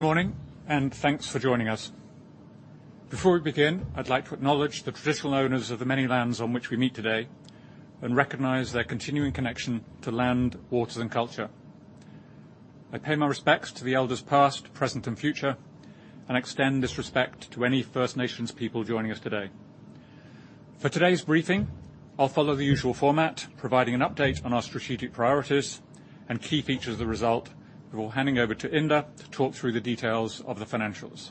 Good morning. Thanks for joining us. Before we begin, I'd like to acknowledge the traditional owners of the many lands on which we meet today and recognize their continuing connection to land, waters, and culture. I pay my respects to the elders past, present, and future, and extend this respect to any First Nations people joining us today. For today's briefing, I'll follow the usual format, providing an update on our strategic priorities and key features of the result, before handing over to Inder to talk through the details of the financials.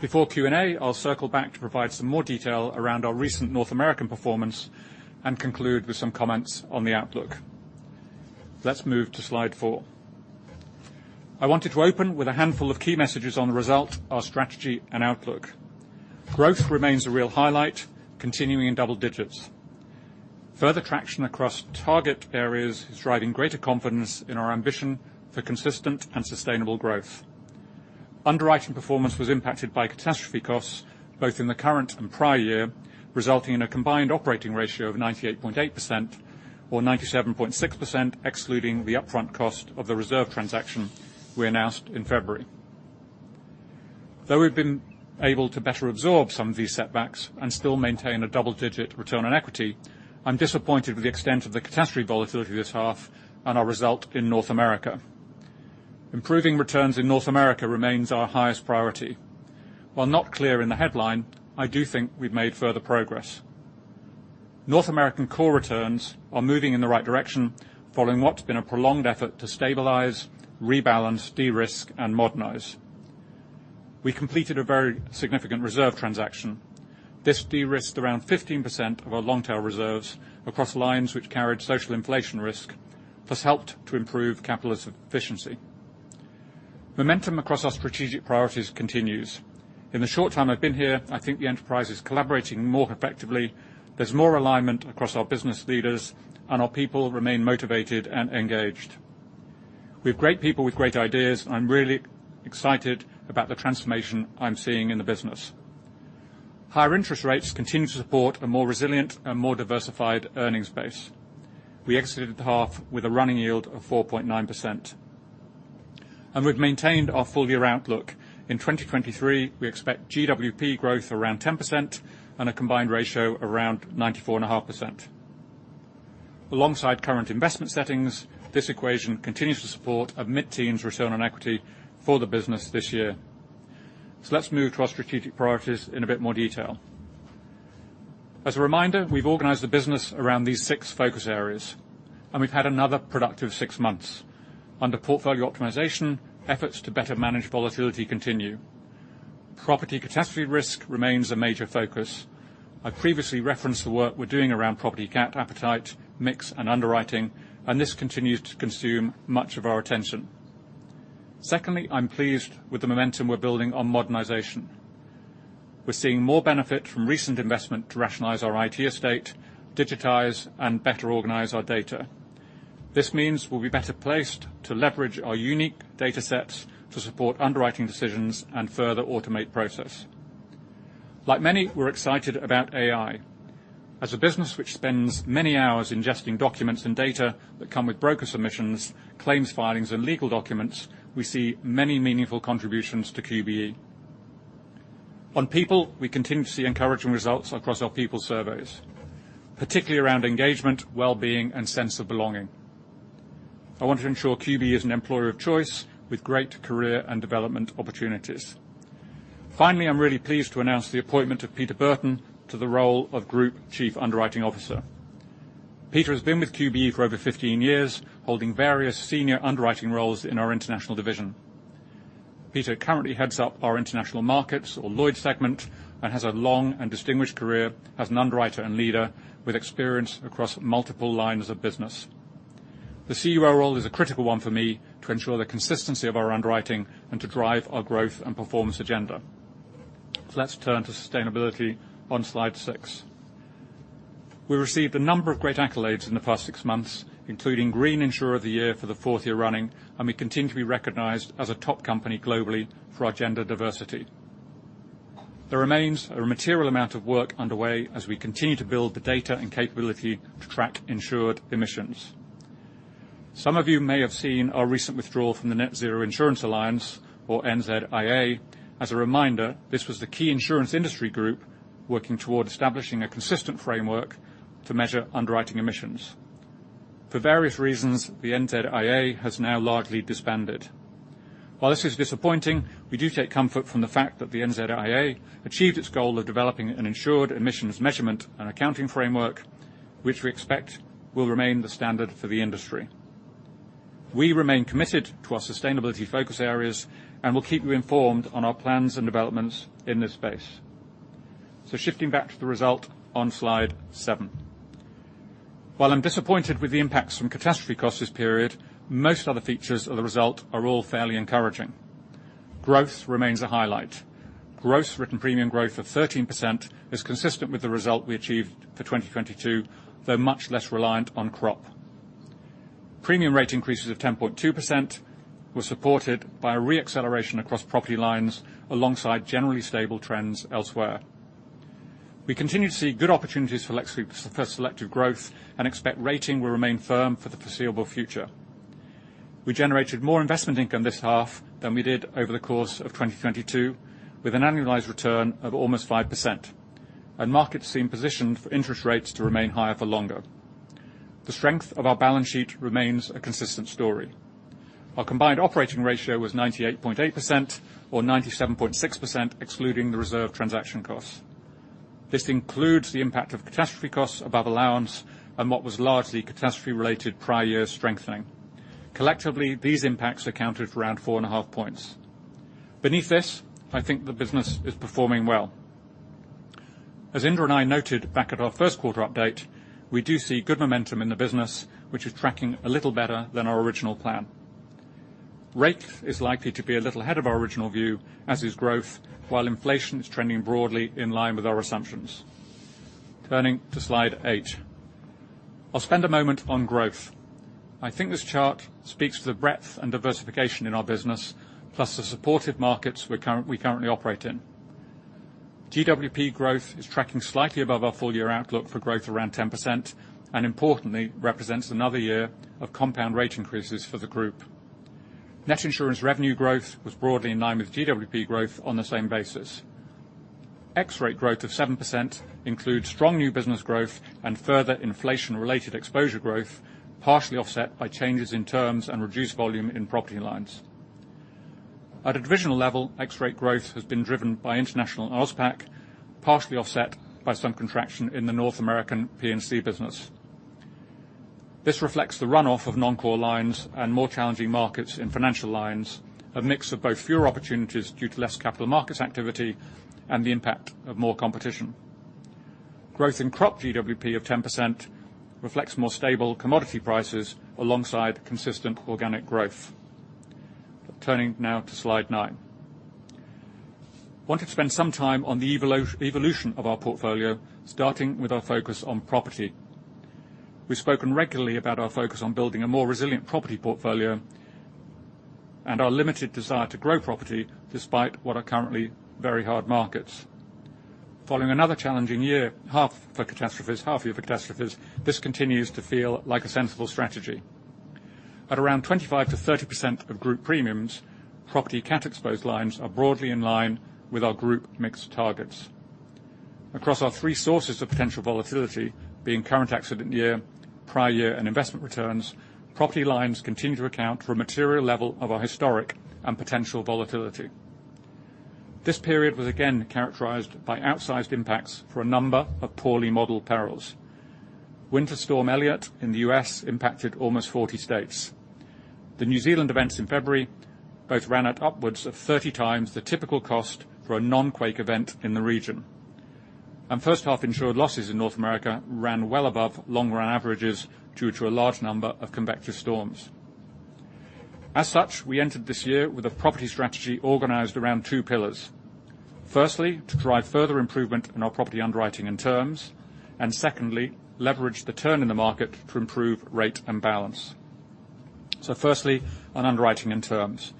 Before Q&A, I'll circle back to provide some more detail around our recent North American performance and conclude with some comments on the outlook. Let's move to slide 4. I wanted to open with a handful of key messages on the result, our strategy, and outlook. Growth remains a real highlight, continuing in double digits. Further traction across target areas is driving greater confidence in our ambition for consistent and sustainable growth. Underwriting performance was impacted by catastrophe costs, both in the current and prior year, resulting in a combined operating ratio of 98.8% or 97.6%, excluding the upfront cost of the reserve transaction we announced in February. We've been able to better absorb some of these setbacks and still maintain a double-digit return on equity, I'm disappointed with the extent of the catastrophe volatility this half on our result in North America. Improving returns in North America remains our highest priority. Not clear in the headline, I do think we've made further progress. North American core returns are moving in the right direction, following what's been a prolonged effort to stabilize, rebalance, de-risk, and modernize. We completed a very significant reserve transaction. This de-risked around 15% of our long-tail reserves across lines which carried social inflation risk, thus helped to improve capital efficiency. Momentum across our strategic priorities continues. In the short time I've been here, I think the enterprise is collaborating more effectively, there's more alignment across our business leaders, and our people remain motivated and engaged. We have great people with great ideas. I'm really excited about the transformation I'm seeing in the business. Higher interest rates continue to support a more resilient and more diversified earnings base. We exited the half with a running yield of 4.9%, and we've maintained our full-year outlook. In 2023, we expect GWP growth around 10% and a combined ratio around 94.5%. Alongside current investment settings, this equation continues to support a mid-teens return on equity for the business this year. Let's move to our strategic priorities in a bit more detail. As a reminder, we've organized the business around these six focus areas, and we've had another productive six months. Under portfolio optimization, efforts to better manage volatility continue. Property catastrophe risk remains a major focus. I previously referenced the work we're doing around property cat appetite, mix, and underwriting, and this continues to consume much of our attention. Secondly, I'm pleased with the momentum we're building on modernization. We're seeing more benefit from recent investment to rationalize our IT estate, digitize, and better organize our data. This means we'll be better placed to leverage our unique data sets to support underwriting decisions and further automate process. Like many, we're excited about AI. As a business which spends many hours ingesting documents and data that come with broker submissions, claims filings, and legal documents, we see many meaningful contributions to QBE. On people, we continue to see encouraging results across our people surveys, particularly around engagement, wellbeing, and sense of belonging. I want to ensure QBE is an employer of choice with great career and development opportunities. Finally, I'm really pleased to announce the appointment of Peter Burton to the role of Group Chief Underwriting Officer. Peter has been with QBE for over 15 years, holding various senior underwriting roles in our international division. Peter currently heads up our International Markets or Lloyd's segment, and has a long and distinguished career as an underwriter and leader with experience across multiple lines of business. The CUO role is a critical one for me to ensure the consistency of our underwriting and to drive our growth and performance agenda. Let's turn to sustainability on slide six. We received a number of great accolades in the past six months, including Green Insurer of the Year for the fourth year running, and we continue to be recognized as a top company globally for our gender diversity. There remains a material amount of work underway as we continue to build the data and capability to track insured emissions. Some of you may have seen our recent withdrawal from the Net-Zero Insurance Alliance, or NZIA. As a reminder, this was the key insurance industry group working towards establishing a consistent framework to measure underwriting emissions. For various reasons, the NZIA has now largely disbanded. While this is disappointing, we do take comfort from the fact that the NZIA achieved its goal of developing an insured emissions measurement and accounting framework, which we expect will remain the standard for the industry. We remain committed to our sustainability focus areas, and we'll keep you informed on our plans and developments in this space. Shifting back to the result on slide 7. While I'm disappointed with the impacts from catastrophe costs this period, most other features of the result are all fairly encouraging. Growth remains a highlight. Gross Written Premium growth of 13% is consistent with the result we achieved for 2022, though much less reliant on crop. Premium rate increases of 10.2% were supported by a re-acceleration across property lines, alongside generally stable trends elsewhere. We continue to see good opportunities for selective growth and expect rating will remain firm for the foreseeable future. We generated more investment income this half than we did over the course of 2022, with an annualized return of almost 5%, markets seem positioned for interest rates to remain higher for longer. The strength of our balance sheet remains a consistent story. Our combined operating ratio was 98.8%, or 97.6%, excluding the reserve transaction costs. This includes the impact of catastrophe costs above allowance and what was largely catastrophe-related prior year strengthening. Collectively, these impacts accounted for around 4.5 points. Beneath this, I think the business is performing well. As Inder and I noted back at our first quarter update, we do see good momentum in the business, which is tracking a little better than our original plan. Rate is likely to be a little ahead of our original view, as is growth, while inflation is trending broadly in line with our assumptions. Turning to Slide 8. I'll spend a moment on growth. I think this chart speaks to the breadth and diversification in our business, plus the supportive markets we currently operate in. GWP growth is tracking slightly above our full year outlook for growth around 10%, and importantly, represents another year of compound rate increases for the group. Net insurance revenue growth was broadly in line with GWP growth on the same basis. X-rate growth of 7% includes strong new business growth and further inflation-related exposure growth, partially offset by changes in terms and reduced volume in property lines. At a divisional level, X-rate growth has been driven by International and Auspac, partially offset by some contraction in the North American P&C business. This reflects the run-off of non-core lines and more challenging markets in financial lines, a mix of both fewer opportunities due to less capital markets activity and the impact of more competition. Growth in crop GWP of 10% reflects more stable commodity prices alongside consistent organic growth. Turning now to Slide 9. Wanted to spend some time on the evolution of our portfolio, starting with our focus on property. We've spoken regularly about our focus on building a more resilient property portfolio, and our limited desire to grow property, despite what are currently very hard markets. Following another challenging year, half for catastrophes, half-year catastrophes, this continues to feel like a sensible strategy. At around 25%-30% of group premiums, property cat exposed lines are broadly in line with our group mix targets. Across our three sources of potential volatility, being current accident year, prior year, and investment returns, property lines continue to account for a material level of our historic and potential volatility. This period was again characterized by outsized impacts for a number of poorly modeled perils. Winter Storm Elliott in the US impacted almost 40 states. The New Zealand events in February both ran at upwards of 30 times the typical cost for a non-quake event in the region, and first half insured losses in North America ran well above long-run averages due to a large number of convective storms. As such, we entered this year with a property strategy organized around two pillars. Firstly, to drive further improvement in our property underwriting and terms, and secondly, leverage the turn in the market to improve rate and balance. Firstly, on underwriting and terms.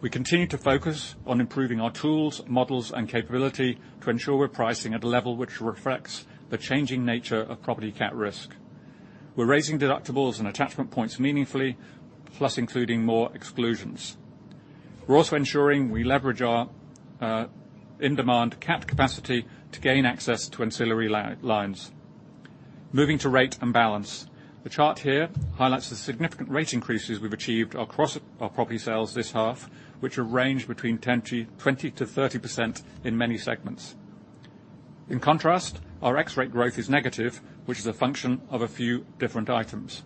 We continue to focus on improving our tools, models, and capability to ensure we're pricing at a level which reflects the changing nature of property cat risk. We're raising deductibles and attachment points meaningfully, plus including more exclusions. We're also ensuring we leverage our in-demand cat capacity to gain access to ancillary lines. Moving to rate and balance. The chart here highlights the significant rate increases we've achieved across our property sales this half, which have ranged between 10%-20%-30% in many segments. In contrast, our X-rate growth is negative, which is a function of a few different items.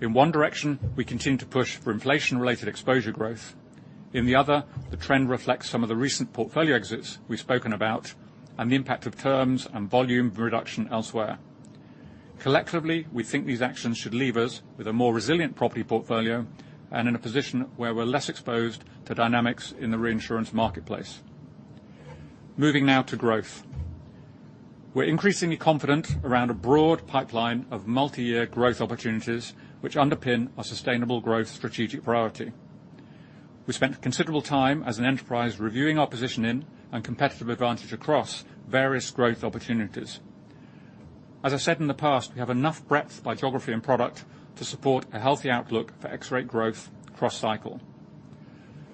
In one direction, we continue to push for inflation-related exposure growth. In the other, the trend reflects some of the recent portfolio exits we've spoken about and the impact of terms and volume reduction elsewhere. Collectively, we think these actions should leave us with a more resilient property portfolio and in a position where we're less exposed to dynamics in the reinsurance marketplace. Moving now to growth. We're increasingly confident around a broad pipeline of multi-year growth opportunities, which underpin our sustainable growth strategic priority. We spent considerable time as an enterprise, reviewing our positioning and competitive advantage across various growth opportunities. As I said in the past, we have enough breadth by geography and product to support a healthy outlook for X-rate growth cross-cycle.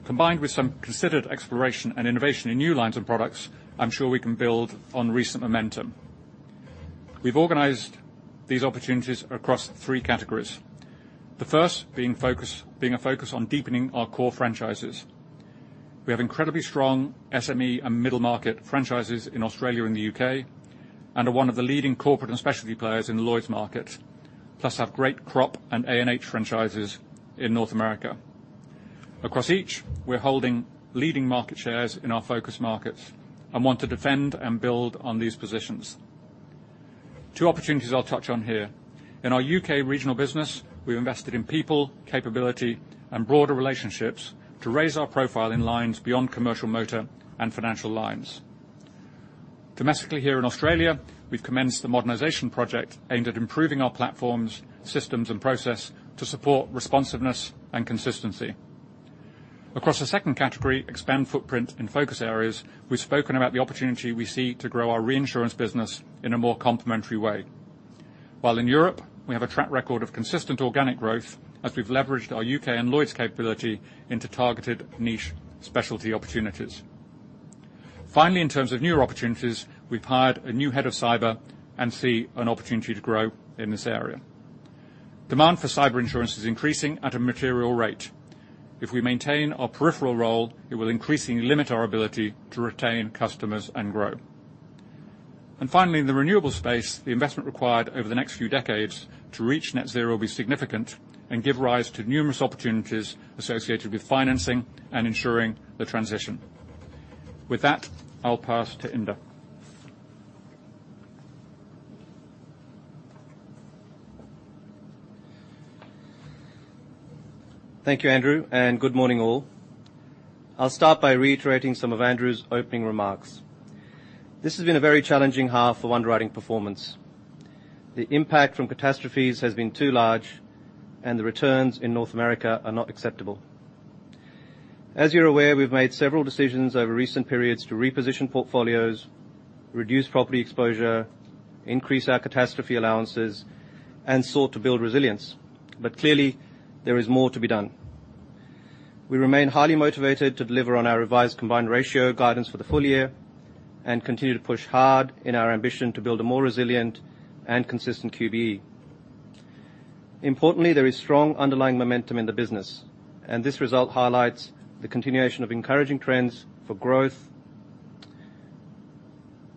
Combined with some considered exploration and innovation in new lines and products, I'm sure we can build on recent momentum. We've organized these opportunities across three categories. The first being a focus on deepening our core franchises. We have incredibly strong SME and middle-market franchises in Australia and the UK, and are one of the leading corporate and specialty players in the Lloyd's market, plus have great crop and A&H franchises in North America. Across each, we're holding leading market shares in our focus markets and want to defend and build on these positions. Two opportunities I'll touch on here. In our UK regional business, we've invested in people, capability, and broader relationships to raise our profile in lines beyond commercial motor and financial lines. Domestically, here in Australia, we've commenced the modernization project aimed at improving our platforms, systems and process to support responsiveness and consistency.... Across the second category, expand footprint in focus areas, we've spoken about the opportunity we see to grow our reinsurance business in a more complementary way. While in Europe, we have a track record of consistent organic growth as we've leveraged our UK and Lloyd's capability into targeted niche specialty opportunities. Finally, in terms of newer opportunities, we've hired a new head of cyber and see an opportunity to grow in this area. Demand for cyber insurance is increasing at a material rate. If we maintain our peripheral role, it will increasingly limit our ability to retain customers and grow. Finally, in the renewable space, the investment required over the next few decades to reach net zero will be significant and give rise to numerous opportunities associated with financing and ensuring the transition. With that, I'll pass to Inder. Thank you, Andrew. Good morning, all. I'll start by reiterating some of Andrew's opening remarks. This has been a very challenging half for underwriting performance. The impact from catastrophes has been too large, and the returns in North America are not acceptable. As you're aware, we've made several decisions over recent periods to reposition portfolios, reduce property exposure, increase our catastrophe allowances, and sought to build resilience. Clearly, there is more to be done. We remain highly motivated to deliver on our revised combined ratio guidance for the full year, and continue to push hard in our ambition to build a more resilient and consistent QBE. Importantly, there is strong underlying momentum in the business, and this result highlights the continuation of encouraging trends for growth,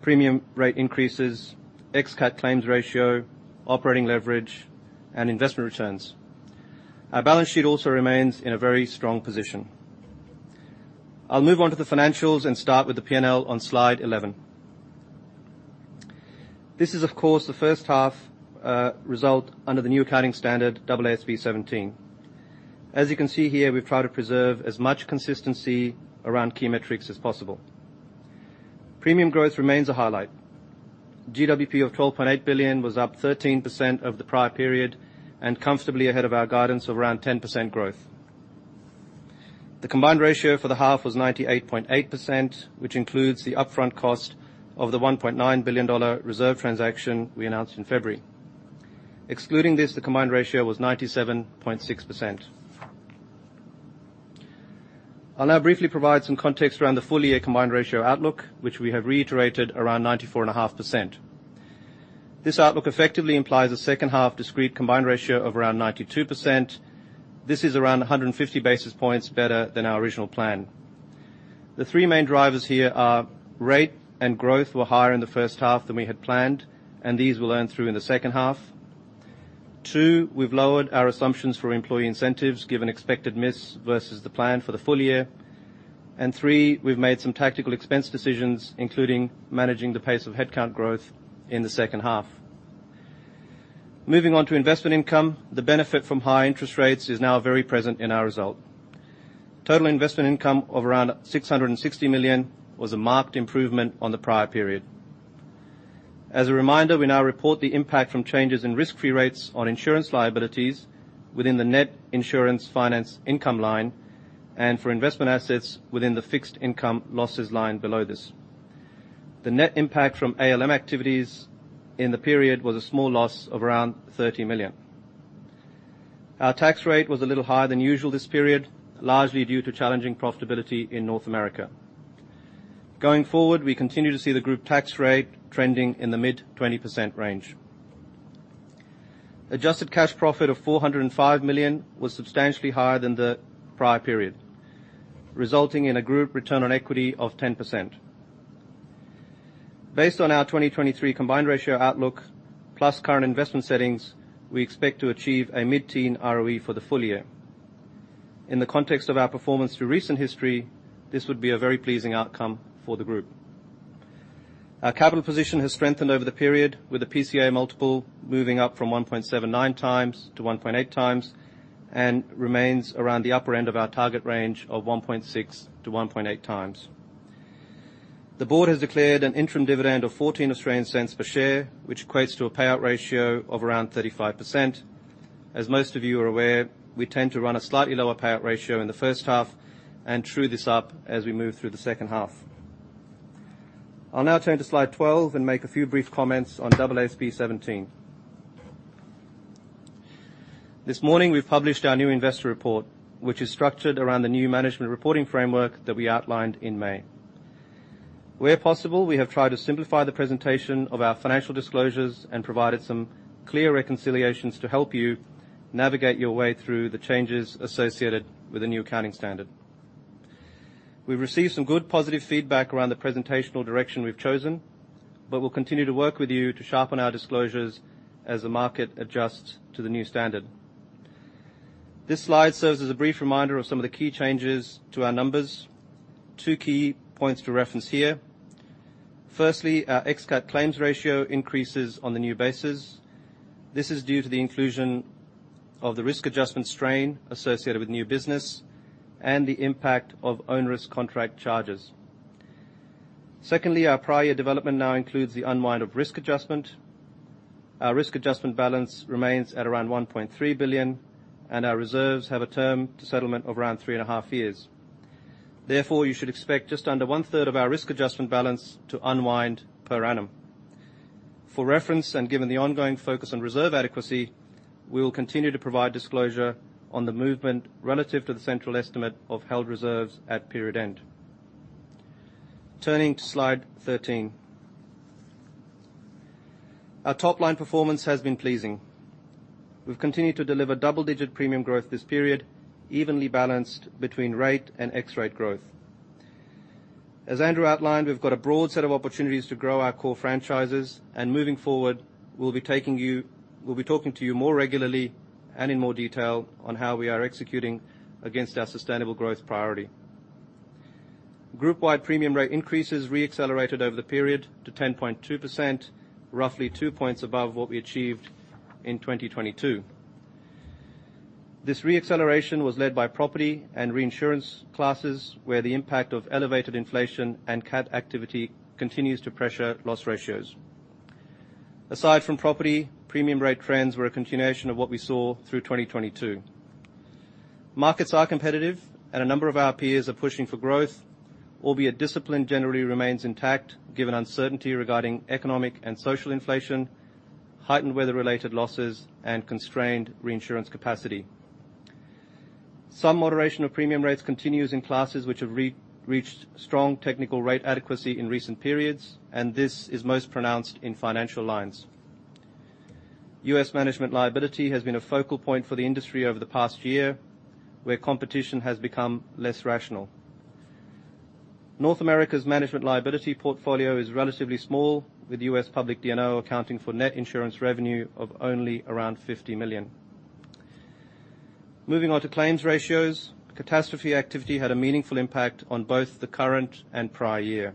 premium rate increases, ex-cat claims ratio, operating leverage, and investment returns. Our balance sheet also remains in a very strong position. I'll move on to the financials and start with the P&L on slide 11. This is, of course, the first half, result under the new accounting standard, AASB 17. As you can see here, we've tried to preserve as much consistency around key metrics as possible. Premium growth remains a highlight. GWP of 12.8 billion was up 13% of the prior period, and comfortably ahead of our guidance of around 10% growth. The combined ratio for the half was 98.8%, which includes the upfront cost of the 1.9 billion dollar reserve transaction we announced in February. Excluding this, the combined ratio was 97.6%. I'll now briefly provide some context around the full year combined ratio outlook, which we have reiterated around 94.5%. This outlook effectively implies a second half discrete combined ratio of around 92%. This is around 150 basis points better than our original plan. The three main drivers here are: rate and growth were higher in the first half than we had planned, and these will earn through in the second half. Two, we've lowered our assumptions for employee incentives, given expected miss versus the plan for the full year. Three, we've made some tactical expense decisions, including managing the pace of headcount growth in the second half. Moving on to investment income, the benefit from high interest rates is now very present in our result. Total investment income of around 660 million was a marked improvement on the prior period. As a reminder, we now report the impact from changes in risk-free rates on insurance liabilities within the net insurance finance income line, and for investment assets within the fixed income losses line below this. The net impact from ALM activities in the period was a small loss of around 30 million. Our tax rate was a little higher than usual this period, largely due to challenging profitability in North America. Going forward, we continue to see the group tax rate trending in the mid 20% range. Adjusted cash profit of 405 million was substantially higher than the prior period, resulting in a group return on equity of 10%. Based on our 2023 combined ratio outlook, plus current investment settings, we expect to achieve a mid-teen ROE for the full year. In the context of our performance through recent history, this would be a very pleasing outcome for the group. Our capital position has strengthened over the period, with the PCA multiple moving up from 1.79x to 1.8x, and remains around the upper end of our target range of 1.6x-1.8x. The board has declared an interim dividend of 0.14 per share, which equates to a payout ratio of around 35%. As most of you are aware, we tend to run a slightly lower payout ratio in the first half and true this up as we move through the second half. I'll now turn to slide 12 and make a few brief comments on AASB 17. This morning, we've published our new investor report, which is structured around the new management reporting framework that we outlined in May. Where possible, we have tried to simplify the presentation of our financial disclosures and provided some clear reconciliations to help you navigate your way through the changes associated with the new accounting standard. We've received some good positive feedback around the presentational direction we've chosen, but we'll continue to work with you to sharpen our disclosures as the market adjusts to the new standard. This slide serves as a brief reminder of some of the key changes to our numbers. Two key points to reference here. Firstly, our ex-cat claims ratio increases on the new basis. This is due to the inclusion of the risk adjustment strain associated with new business and the impact of onerous contract charges. Secondly, our prior year development now includes the unwind of risk adjustment. Our risk adjustment balance remains at around 1.3 billion, and our reserves have a term to settlement of around 3.5 years. Therefore, you should expect just under one third of our risk adjustment balance to unwind per annum. For reference, given the ongoing focus on reserve adequacy, we will continue to provide disclosure on the movement relative to the central estimate of held reserves at period end. Turning to slide 13. Our top-line performance has been pleasing. We've continued to deliver double-digit premium growth this period, evenly balanced between rate and ex-rate growth. As Andrew outlined, we've got a broad set of opportunities to grow our core franchises. Moving forward, we'll be talking to you more regularly and in more detail on how we are executing against our sustainable growth priority. Group-wide premium rate increases re-accelerated over the period to 10.2%, roughly 2 points above what we achieved in 2022. This re-acceleration was led by property and reinsurance classes, where the impact of elevated inflation and cat activity continues to pressure loss ratios. Aside from property, premium rate trends were a continuation of what we saw through 2022. Markets are competitive. A number of our peers are pushing for growth, albeit discipline generally remains intact, given uncertainty regarding economic and social inflation, heightened weather-related losses, and constrained reinsurance capacity. Some moderation of premium rates continues in classes which have re-reached strong technical rate adequacy in recent periods, and this is most pronounced in financial lines. US management liability has been a focal point for the industry over the past year, where competition has become less rational. North America's management liability portfolio is relatively small, with US public D&O accounting for net insurance revenue of only around $50 million. Moving on to claims ratios, catastrophe activity had a meaningful impact on both the current and prior year.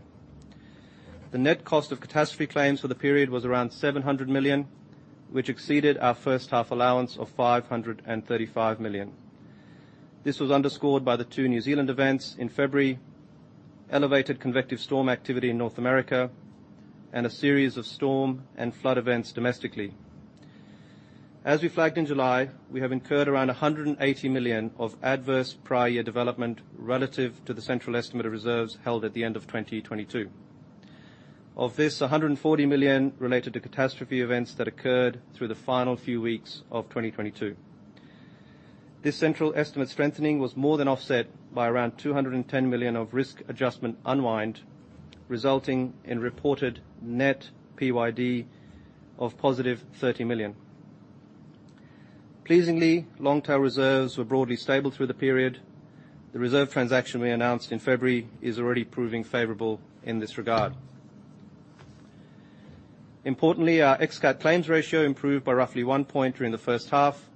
The net cost of catastrophe claims for the period was around $700 million, which exceeded our first half allowance of $535 million. This was underscored by the two New Zealand events in February, elevated convective storm activity in North America, and a series of storm and flood events domestically. As we flagged in July, we have incurred around 180 million of adverse prior year development relative to the central estimate of reserves held at the end of 2022. Of this, 140 million related to catastrophe events that occurred through the final few weeks of 2022. This central estimate strengthening was more than offset by around 210 million of risk adjustment unwind, resulting in reported net PYD of positive 30 million. Pleasingly, long-tail reserves were broadly stable through the period. The reserve transaction we announced in February is already proving favorable in this regard. Importantly, our ex-cat claims ratio improved by roughly one point during the first half.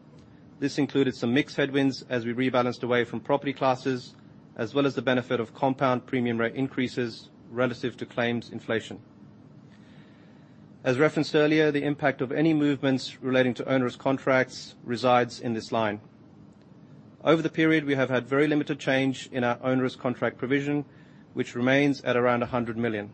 This included some mixed headwinds as we rebalanced away from property classes, as well as the benefit of compound premium rate increases relative to claims inflation. As referenced earlier, the impact of any movements relating to onerous contracts resides in this line. Over the period, we have had very limited change in our onerous contract provision, which remains at around 100 million.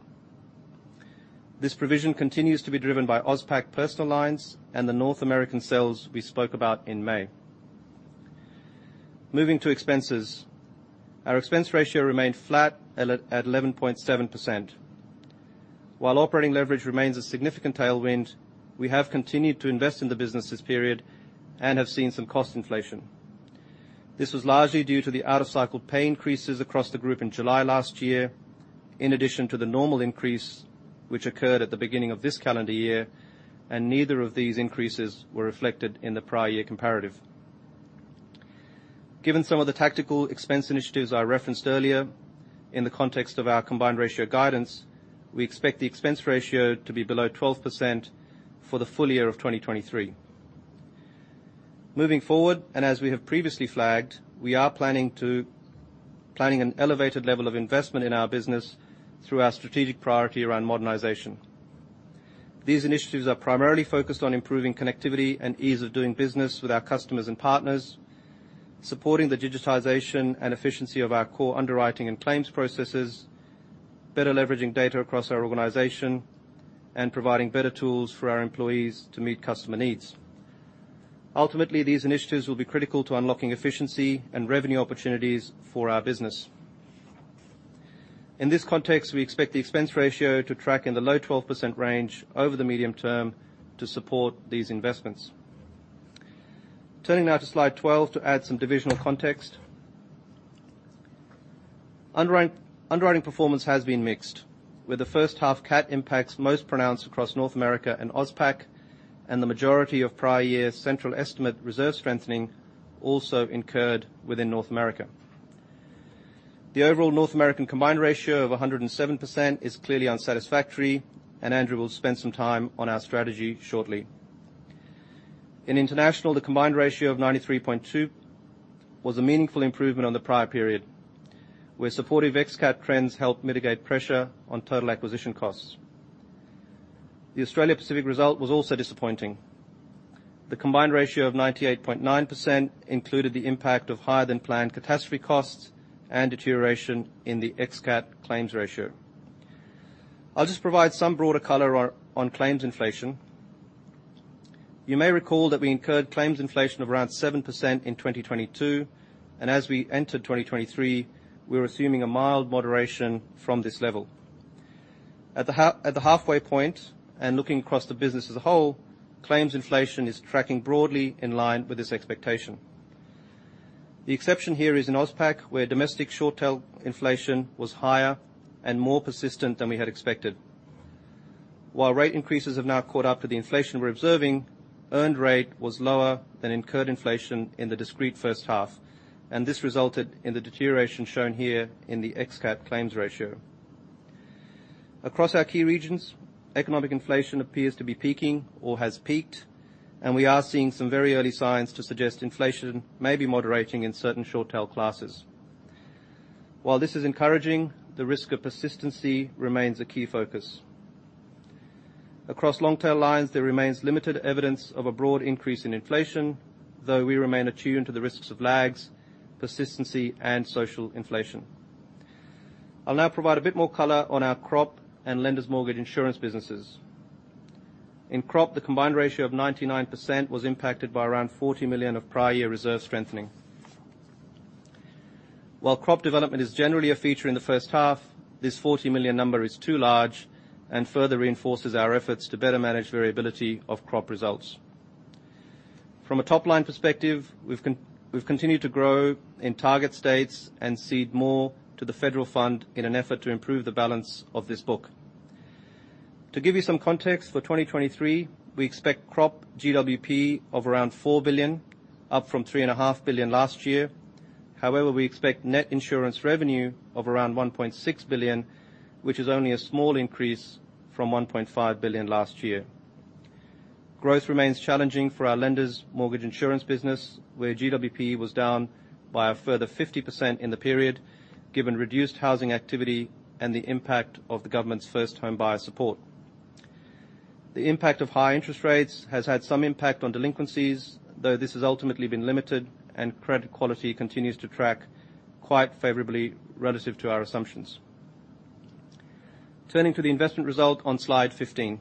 This provision continues to be driven by Auspac Personal Lines and the North American sales we spoke about in May. Moving to expenses. Our expense ratio remained flat at 11.7%. While operating leverage remains a significant tailwind, we have continued to invest in the business this period and have seen some cost inflation. This was largely due to the out-of-cycle pay increases across the group in July last year, in addition to the normal increase which occurred at the beginning of this calendar year, and neither of these increases were reflected in the prior year comparative. Given some of the tactical expense initiatives I referenced earlier, in the context of our combined ratio guidance, we expect the expense ratio to be below 12% for the full year of 2023. Moving forward, as we have previously flagged, we are planning an elevated level of investment in our business through our strategic priority around modernization. These initiatives are primarily focused on improving connectivity and ease of doing business with our customers and partners, supporting the digitization and efficiency of our core underwriting and claims processes, better leveraging data across our organization, and providing better tools for our employees to meet customer needs. Ultimately, these initiatives will be critical to unlocking efficiency and revenue opportunities for our business. In this context, we expect the expense ratio to track in the low 12% range over the medium term to support these investments. Turning now to slide 12 to add some divisional context. Underwriting performance has been mixed, with the first half cat impacts most pronounced across North America and Auspac, and the majority of prior years central estimate reserve strengthening also incurred within North America. The overall North American combined ratio of 107% is clearly unsatisfactory, and Andrew will spend some time on our strategy shortly. In international, the combined ratio of 93.2 was a meaningful improvement on the prior period, where supportive ex-cat trends helped mitigate pressure on total acquisition costs. The Australia Pacific result was also disappointing. The combined ratio of 98.9% included the impact of higher than planned catastrophe costs and deterioration in the ex-cat claims ratio. I'll just provide some broader color on, on claims inflation. You may recall that we incurred claims inflation of around 7% in 2022. As we entered 2023, we were assuming a mild moderation from this level. At the half, at the halfway point, looking across the business as a whole, claims inflation is tracking broadly in line with this expectation. The exception here is in Auspac, where domestic short-tail inflation was higher and more persistent than we had expected. While rate increases have now caught up to the inflation we're observing, earned rate was lower than incurred inflation in the discrete first half. This resulted in the deterioration shown here in the ex-cat claims ratio. Across our key regions, economic inflation appears to be peaking or has peaked. We are seeing some very early signs to suggest inflation may be moderating in certain short-tail classes. While this is encouraging, the risk of persistency remains a key focus. Across long-tail lines, there remains limited evidence of a broad increase in inflation, though we remain attuned to the risks of lags, persistency, and social inflation. I'll now provide a bit more color on our crop and lenders' mortgage insurance businesses. In crop, the combined ratio of 99% was impacted by around 40 million of prior year reserve strengthening. While crop development is generally a feature in the first half, this 40 million number is too large and further reinforces our efforts to better manage variability of crop results. From a top-line perspective, we've continued to grow in target states and cede more to the federal fund in an effort to improve the balance of this book. To give you some context, for 2023, we expect crop GWP of around 4 billion, up from 3.5 billion last year. However, we expect net insurance revenue of around 1.6 billion, which is only a small increase from 1.5 billion last year. Growth remains challenging for our lenders' mortgage insurance business, where GWP was down by a further 50% in the period, given reduced housing activity and the impact of the government's first home buyer support. The impact of high interest rates has had some impact on delinquencies, though this has ultimately been limited, and credit quality continues to track quite favorably relative to our assumptions. Turning to the investment result on slide 15.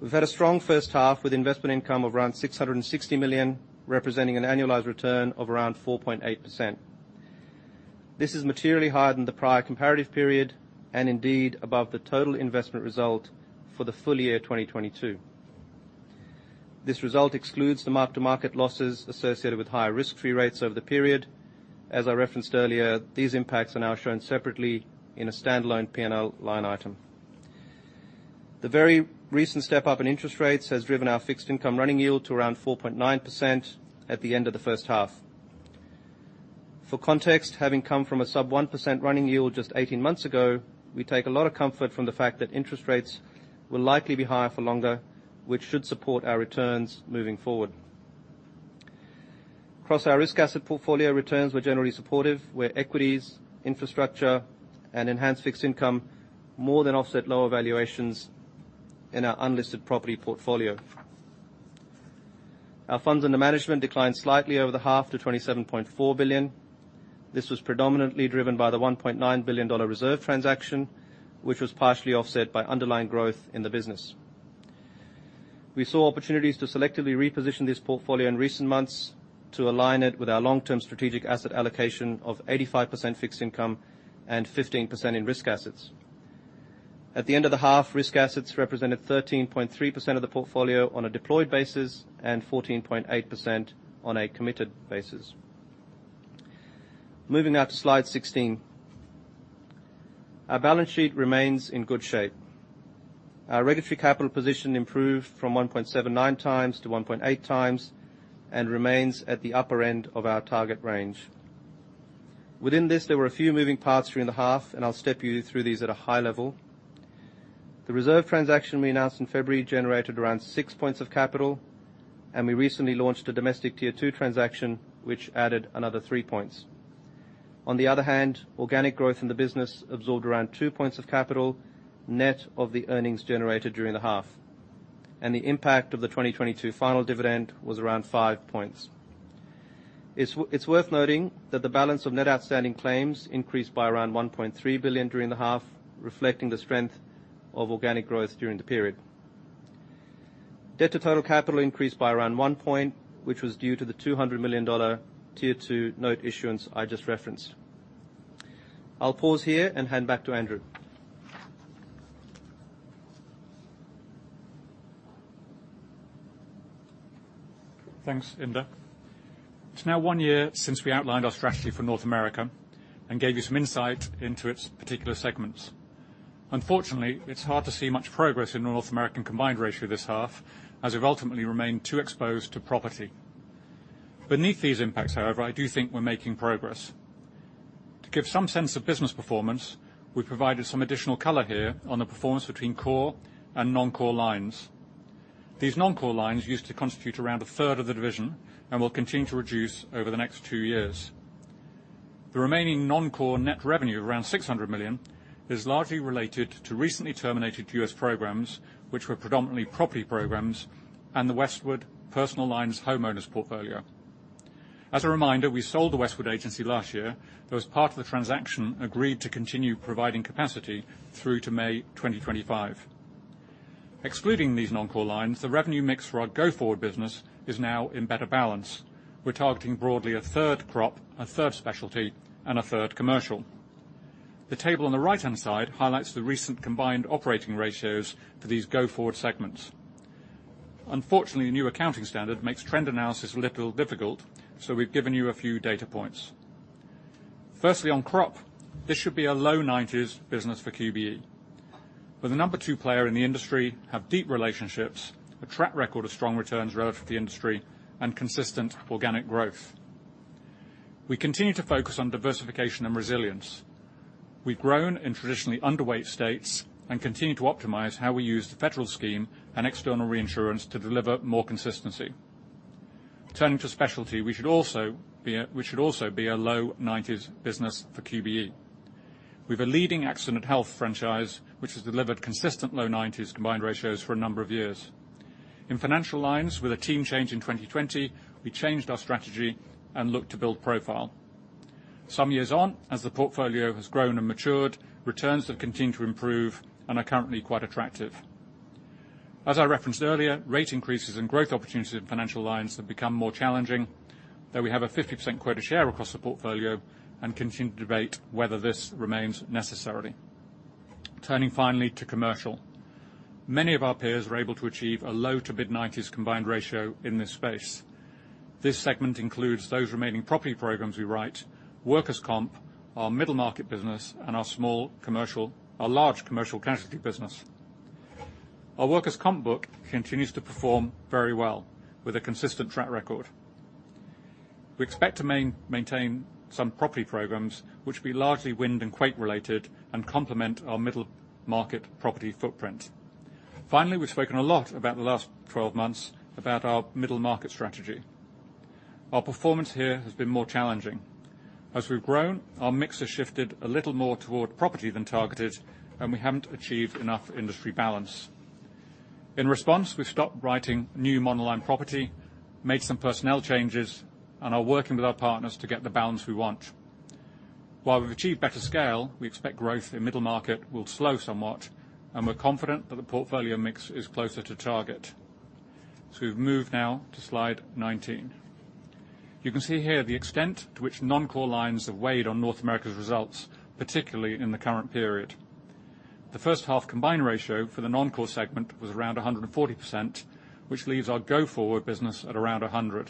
We've had a strong first half with investment income of around 660 million, representing an annualized return of around 4.8%. This is materially higher than the prior comparative period and indeed above the total investment result for the full year 2022. This result excludes the mark-to-market losses associated with higher risk-free rates over the period. As I referenced earlier, these impacts are now shown separately in a standalone P&L line item. The very recent step up in interest rates has driven our fixed income running yield to around 4.9% at the end of the first half. For context, having come from a sub 1% running yield just 18 months ago, we take a lot of comfort from the fact that interest rates will likely be higher for longer, which should support our returns moving forward. Across our risk asset portfolio, returns were generally supportive, where equities, infrastructure, and enhanced fixed income more than offset lower valuations in our unlisted property portfolio. Our funds under management declined slightly over the half to 27.4 billion. This was predominantly driven by the 1.9 billion dollar reserve transaction, which was partially offset by underlying growth in the business. We saw opportunities to selectively reposition this portfolio in recent months to align it with our long-term strategic asset allocation of 85% fixed income and 15% in risk assets. At the end of the half, risk assets represented 13.3% of the portfolio on a deployed basis and 14.8% on a committed basis. Moving now to slide 16. Our balance sheet remains in good shape. Our regulatory capital position improved from 1.79 times to 1.8 times, and remains at the upper end of our target range. Within this, there were a few moving parts during the half, and I'll step you through these at a high level. The reserve transaction we announced in February generated around 6 points of capital, and we recently launched a domestic Tier 2 transaction, which added another 3 points. On the other hand, organic growth in the business absorbed around 2 points of capital, net of the earnings generated during the half, and the impact of the 2022 final dividend was around 5 points. It's worth noting that the balance of net outstanding claims increased by around 1.3 billion during the half, reflecting the strength of organic growth during the period. Debt to total capital increased by around 1 point, which was due to the 200 million dollar Tier 2 note issuance I just referenced. I'll pause here and hand back to Andrew. Thanks, Inder. It's now 1 year since we outlined our strategy for North America and gave you some insight into its particular segments. Unfortunately, it's hard to see much progress in the North American combined ratio this half, as we've ultimately remained too exposed to property. Beneath these impacts, however, I do think we're making progress. To give some sense of business performance, we've provided some additional color here on the performance between core and non-core lines. These non-core lines used to constitute around a third of the division and will continue to reduce over the next 2 years. The remaining non-core net revenue, around $600 million, is largely related to recently terminated U.S. programs, which were predominantly property programs and the Westwood Personal Lines homeowners portfolio. As a reminder, we sold the Westwood agency last year, though as part of the transaction, agreed to continue providing capacity through to May 2025. Excluding these non-core lines, the revenue mix for our go-forward business is now in better balance. We're targeting broadly a third crop, a third specialty, and a third commercial. The table on the right-hand side highlights the recent combined operating ratios for these go-forward segments. The new accounting standard makes trend analysis a little difficult, so we've given you a few data points. Firstly, on crop, this should be a low 90s business for QBE. We're the number 2 player in the industry, have deep relationships, a track record of strong returns relative to the industry, and consistent organic growth. We continue to focus on diversification and resilience. We've grown in traditionally underweight states and continue to optimize how we use the federal scheme and external reinsurance to deliver more consistency. Turning to specialty, we should also be a low 90s business for QBE. We have a leading Accident & Health franchise, which has delivered consistent low 90s combined ratios for a number of years. In financial lines, with a team change in 2020, we changed our strategy and looked to build profile. Some years on, as the portfolio has grown and matured, returns have continued to improve and are currently quite attractive. As I referenced earlier, rate increases and growth opportunities in financial lines have become more challenging, though we have a 50% quota share across the portfolio and continue to debate whether this remains necessary. Turning finally to commercial. Many of our peers are able to achieve a low to mid-nineties combined ratio in this space. This segment includes those remaining property programs we write, workers' comp, our middle market business, and our large commercial casualty business. Our workers' comp book continues to perform very well with a consistent track record. We expect to maintain some property programs, which will be largely wind and quake related and complement our middle market property footprint. Finally, we've spoken a lot about the last 12 months about our middle market strategy. Our performance here has been more challenging. As we've grown, our mix has shifted a little more toward property than targeted, and we haven't achieved enough industry balance. In response, we've stopped writing new monoline property, made some personnel changes, and are working with our partners to get the balance we want. While we've achieved better scale, we expect growth in middle-market will slow somewhat, and we're confident that the portfolio mix is closer to target. We've moved now to slide 19. You can see here the extent to which North America's non-core lines have weighed on results, particularly in the current period. The first half combined ratio for the non-core segment was around 140%, which leaves our go-forward business at around 100%.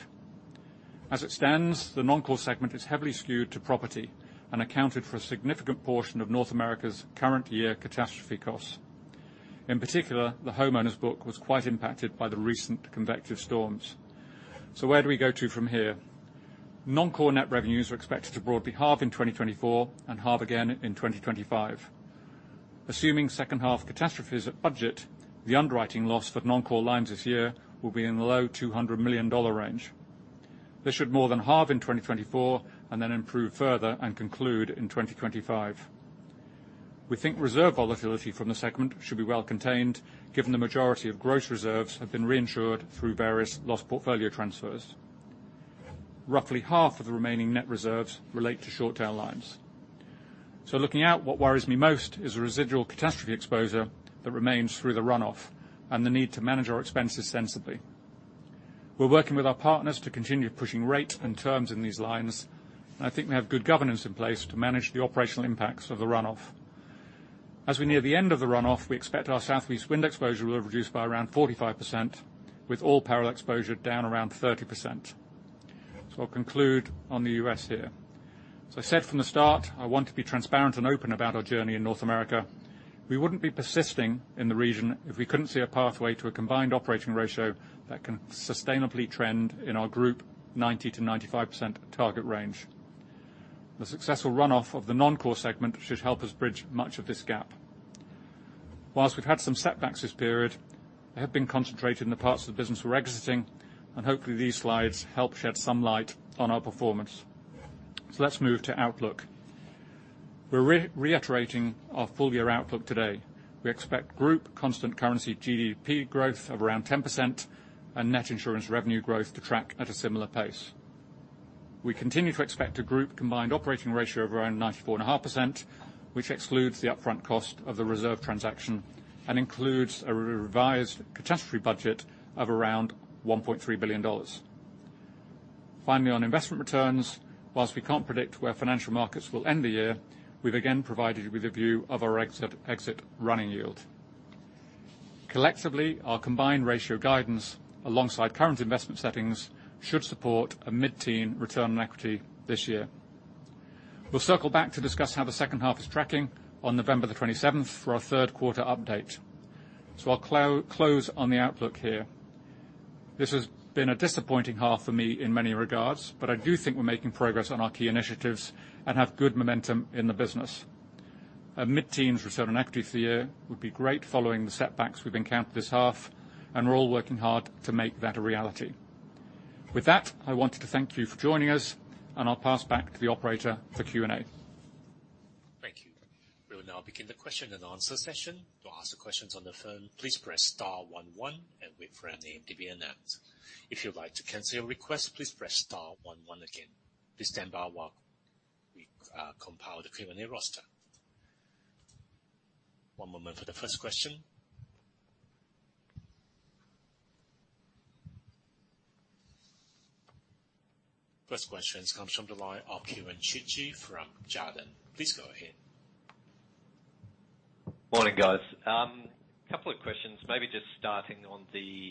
As it stands, the non-core segment is heavily skewed to property and accounted for a significant portion of North America's current year Catastrophe costs. In particular, the homeowners book was quite impacted by the recent convective storms. Where do we go to from here? Non-core net revenues are expected to broadly halve in 2024 and halve again in 2025. Assuming second half Catastrophes at budget, the underwriting loss for non-core lines this year will be in the low 200 million dollar range. This should more than halve in 2024 and then improve further and conclude in 2025. We think reserve volatility from the segment should be well contained, given the majority of gross reserves have been reinsured through various loss portfolio transfers. Roughly half of the remaining net reserves relate to short tail lines. Looking out, what worries me most is the residual Catastrophe exposure that remains through the runoff and the need to manage our expenses sensibly. We're working with our partners to continue pushing rates and terms in these lines, and I think we have good governance in place to manage the operational impacts of the runoff. We near the end of the runoff, we expect our Southeast wind exposure will reduce by around 45%, with all peril exposure down around 30%. I'll conclude on the U.S. here. I said from the start, I want to be transparent and open about our journey in North America. We wouldn't be persisting in the region if we couldn't see a pathway to a combined operating ratio that can sustainably trend in our group 90%-95% target range. The successful runoff of the non-core segment should help us bridge much of this gap. Whilst we've had some setbacks this period, they have been concentrated in the parts of the business we're exiting, hopefully, these slides help shed some light on our performance. Let's move to outlook. We're re-reiterating our full-year outlook today. We expect group constant currency GWP growth of around 10% and net insurance revenue growth to track at a similar pace. We continue to expect a group combined operating ratio of around 94.5%, which excludes the upfront cost of the reserve transaction and includes a revised catastrophe budget of around 1.3 billion dollars. On investment returns, whilst we can't predict where financial markets will end the year, we've again provided you with a view of our exit running yield. Our combined ratio guidance, alongside current investment settings, should support a mid-teen return on equity this year. We'll circle back to discuss how the second half is tracking on November 27th for our third quarter update. I'll close on the outlook here. This has been a disappointing half for me in many regards, but I do think we're making progress on our key initiatives and have good momentum in the business. A mid-teens return on equity for the year would be great following the setbacks we've encountered this half, and we're all working hard to make that a reality. With that, I wanted to thank you for joining us, and I'll pass back to the operator for Q&A. Thank you. We will now begin the question and answer session. To ask the questions on the phone, please press star one one and wait for your name to be announced. If you'd like to cancel your request, please press star one one again. Please stand by while we compile the Q&A roster. One moment for the first question. First question comes from the line of Kieren Chidgey from Jarden. Please go ahead. Morning, guys. Couple of questions, maybe just starting on the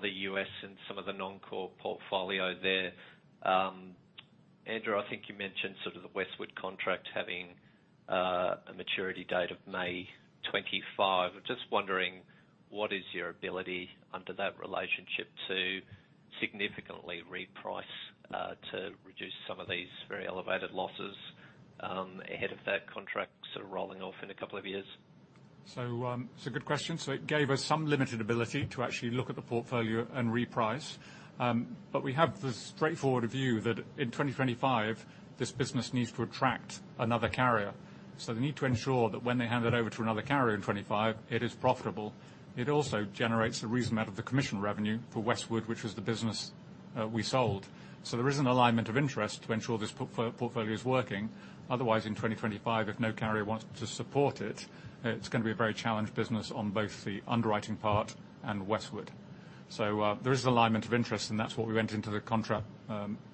US and some of the non-core portfolio there. Andrew, I think you mentioned sort of the Westwood contract having a maturity date of May 2025. I'm just wondering, what is your ability under that relationship to significantly reprice, to reduce some of these very elevated losses, ahead of that contract sort of rolling off in 2 years? It's a good question. It gave us some limited ability to actually look at the portfolio and reprice. But we have the straightforward view that in 2025, this business needs to attract another carrier. They need to ensure that when they hand it over to another carrier in 25, it is profitable. It also generates a reasonable amount of the commission revenue for Westwood, which was the business we sold. There is an alignment of interest to ensure this portfolio is working. Otherwise, in 2025, if no carrier wants to support it, it's gonna be a very challenged business on both the underwriting part and Westwood. There is alignment of interest, and that's what we went into the contract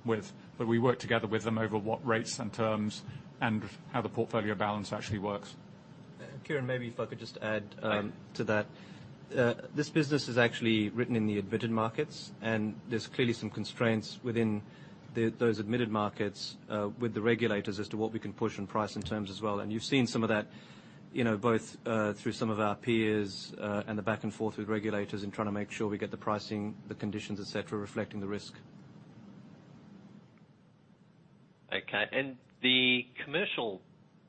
with. We worked together with them over what rates and terms, and how the portfolio balance actually works. Kieren, maybe if I could just add... Yeah. -to that. This business is actually written in the admitted markets, and there's clearly some constraints within the, those admitted markets, with the regulators as to what we can push on price and terms as well. You've seen some of that, you know, both, through some of our peers, and the back and forth with regulators in trying to make sure we get the pricing, the conditions, et cetera, reflecting the risk. Okay. The commercial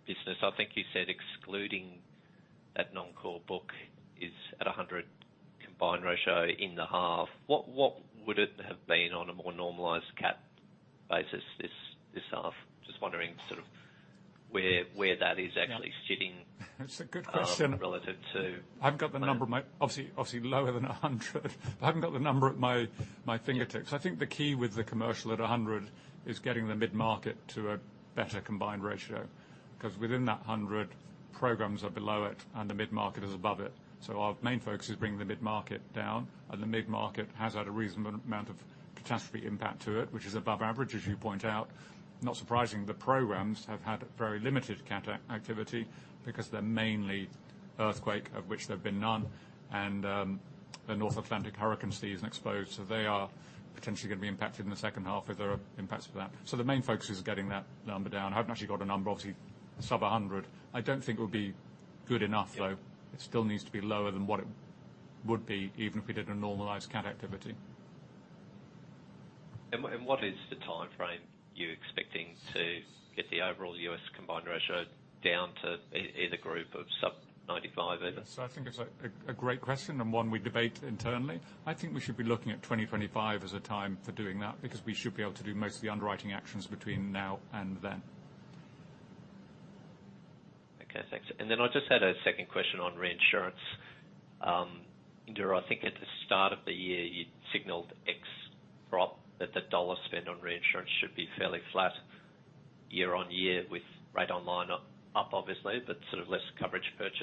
business, I think you said, excluding that non-core book, is at a 100 combined ratio in the half. What, what would it have been on a more normalized Cat basis this, this half? Just wondering sort of where, where that is actually sitting? Yeah. It's a good question. relative to- I've got the number. Obviously, obviously lower than 100. I haven't got the number at my fingertips. I think the key with the commercial at 100 is getting the mid-market to a better combined ratio. Because within that 100, programs are below it, and the mid-market is above it. Our main focus is bringing the mid-market down, and the mid-market has had a reasonable amount of Catastrophe impact to it, which is above average, as you point out. Not surprising, the programs have had very limited Cat activity because they're mainly earthquake, of which there have been none, and the North Atlantic hurricane season exposed, so they are potentially going to be impacted in the second half if there are impacts for that. The main focus is getting that number down. I haven't actually got a number, obviously sub 100. I don't think it would be good enough, though. It still needs to be lower than what it would be, even if we did a normalized Cat activity. What is the timeframe you're expecting to get the overall US combined ratio down to either group of sub 95, either? I think it's a great question and one we debate internally. I think we should be looking at 2025 as a time for doing that, because we should be able to do most of the underwriting actions between now and then. Okay, thanks. I just had a second question on reinsurance. Andrew, I think at the start of the year, you signaled ex-crop, that the dollar spend on reinsurance should be fairly flat year-on-year, with rate on line up, up obviously, but sort of less coverage purchased.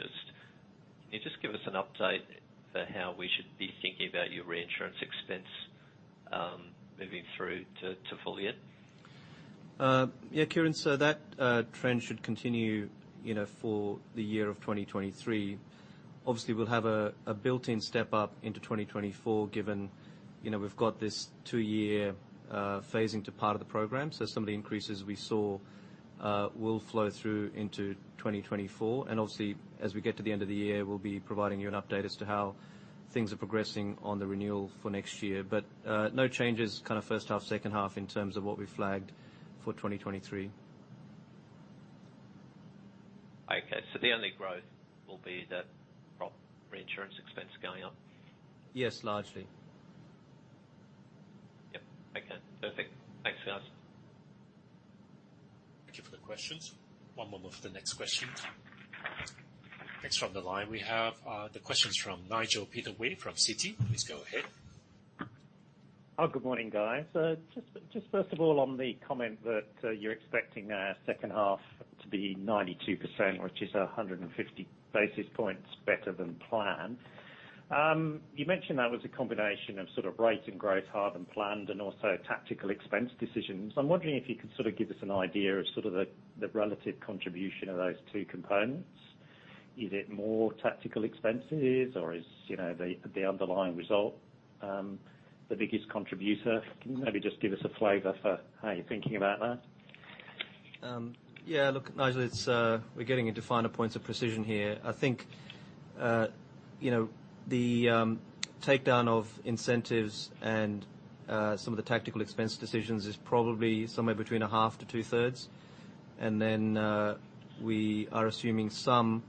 Can you just give us an update for how we should be thinking about your reinsurance expense moving through to full year? Yeah, Kieren, that trend should continue, you know, for the year of 2023. Obviously, we'll have a built-in step up into 2024, given, you know, we've got this 2-year phasing to part of the program. Some of the increases we saw will flow through into 2024. Obviously, as we get to the end of the year, we'll be providing you an update as to how things are progressing on the renewal for next year. No changes, kind of first half, second half, in terms of what we flagged for 2023. Okay, the only growth will be that prop reinsurance expense going up? Yes, largely. Yep. Okay, perfect. Thanks, guys. Thank you for the questions. One moment for the next question. Next from the line, we have the questions from Nigel Pittaway from Citi. Please go ahead. Good morning, guys. Just, just first of all, on the comment that you're expecting second half to be 92%, which is 150 basis points better than planned. You mentioned that was a combination of sort of rate and growth harder than planned and also tactical expense decisions. I'm wondering if you could sort of give us an idea of sort of the, the relative contribution of those two components. Is it more tactical expenses, or is, you know, the, the underlying result, the biggest contributor? Can you maybe just give us a flavor for how you're thinking about that? Yeah, look, Nigel, it's, we're getting into finer points of precision here. I think, you know, the takedown of incentives and some of the tactical expense decisions is probably somewhere between a half to two-thirds. We are assuming some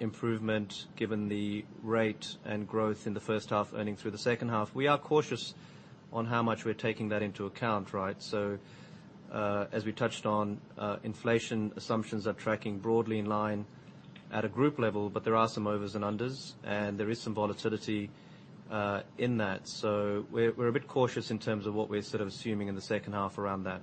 improvement, given the rate and growth in the first half, earning through the second half. We are cautious on how much we're taking that into account, right? As we touched on, inflation, assumptions are tracking broadly in line at a group level, but there are some overs and unders, and there is some volatility in that. We're, we're a bit cautious in terms of what we're sort of assuming in the second half around that.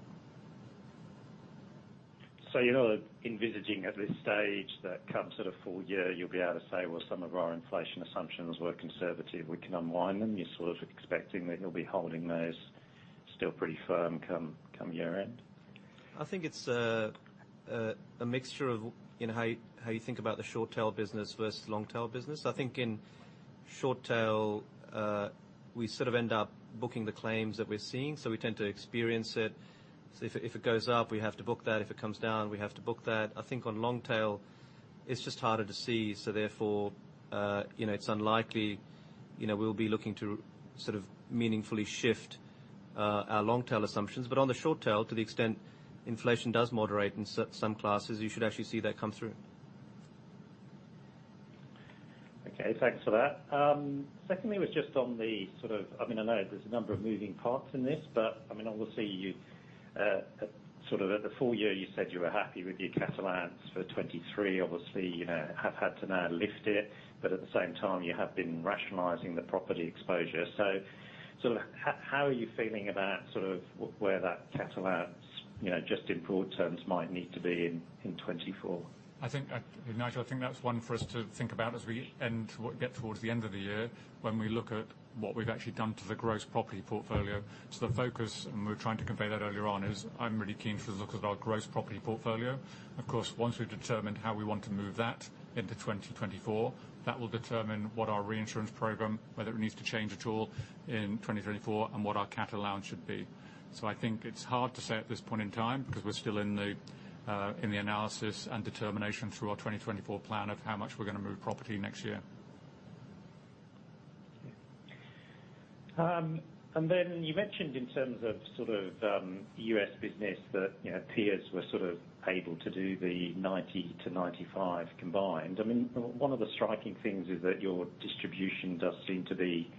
You're not envisaging at this stage that come sort of full year, you'll be able to say, "Well, some of our inflation assumptions were conservative, we can unwind them?" You're sort of expecting that you'll be holding those still pretty firm come, come year end? I think it's a mixture of, you know, how, how you think about the short tail business versus long tail business. I think in short tail, we sort of end up booking the claims that we're seeing, so we tend to experience it. If it goes up, we have to book that. If it comes down, we have to book that. I think on long tail, it's just harder to see, so therefore, you know, it's unlikely, you know, we'll be looking to sort of meaningfully shift our long tail assumptions. On the short tail, to the extent inflation does moderate in some classes, you should actually see that come through. Okay, thanks for that. Secondly, was just on the I mean, I know there's a number of moving parts in this, but, I mean, obviously, you at the full year, you said you were happy with your Cat allowance for 23. Obviously, you know, have had to now lift it, but at the same time, you have been rationalizing the property exposure. How, how are you feeling about where that Cat allowance, you know, just in broad terms, might need to be in 24? I think, Nigel, I think that's one for us to think about as we end, what get towards the end of the year, when we look at what we've actually done to the gross property portfolio. The focus, and we were trying to convey that earlier on, is I'm really keen for the look at our gross property portfolio. Of course, once we've determined how we want to move that into 2024, that will determine what our reinsurance program, whether it needs to change at all in 2024, and what our cat allowance should be. I think it's hard to say at this point in time, because we're still in the analysis and determination through our 2024 plan of how much we're going to move property next year. Then you mentioned in terms of sort of, US business, that, you know, peers were sort of able to do the 90-95 combined. I mean, one of the striking things is that your distribution does seem to be,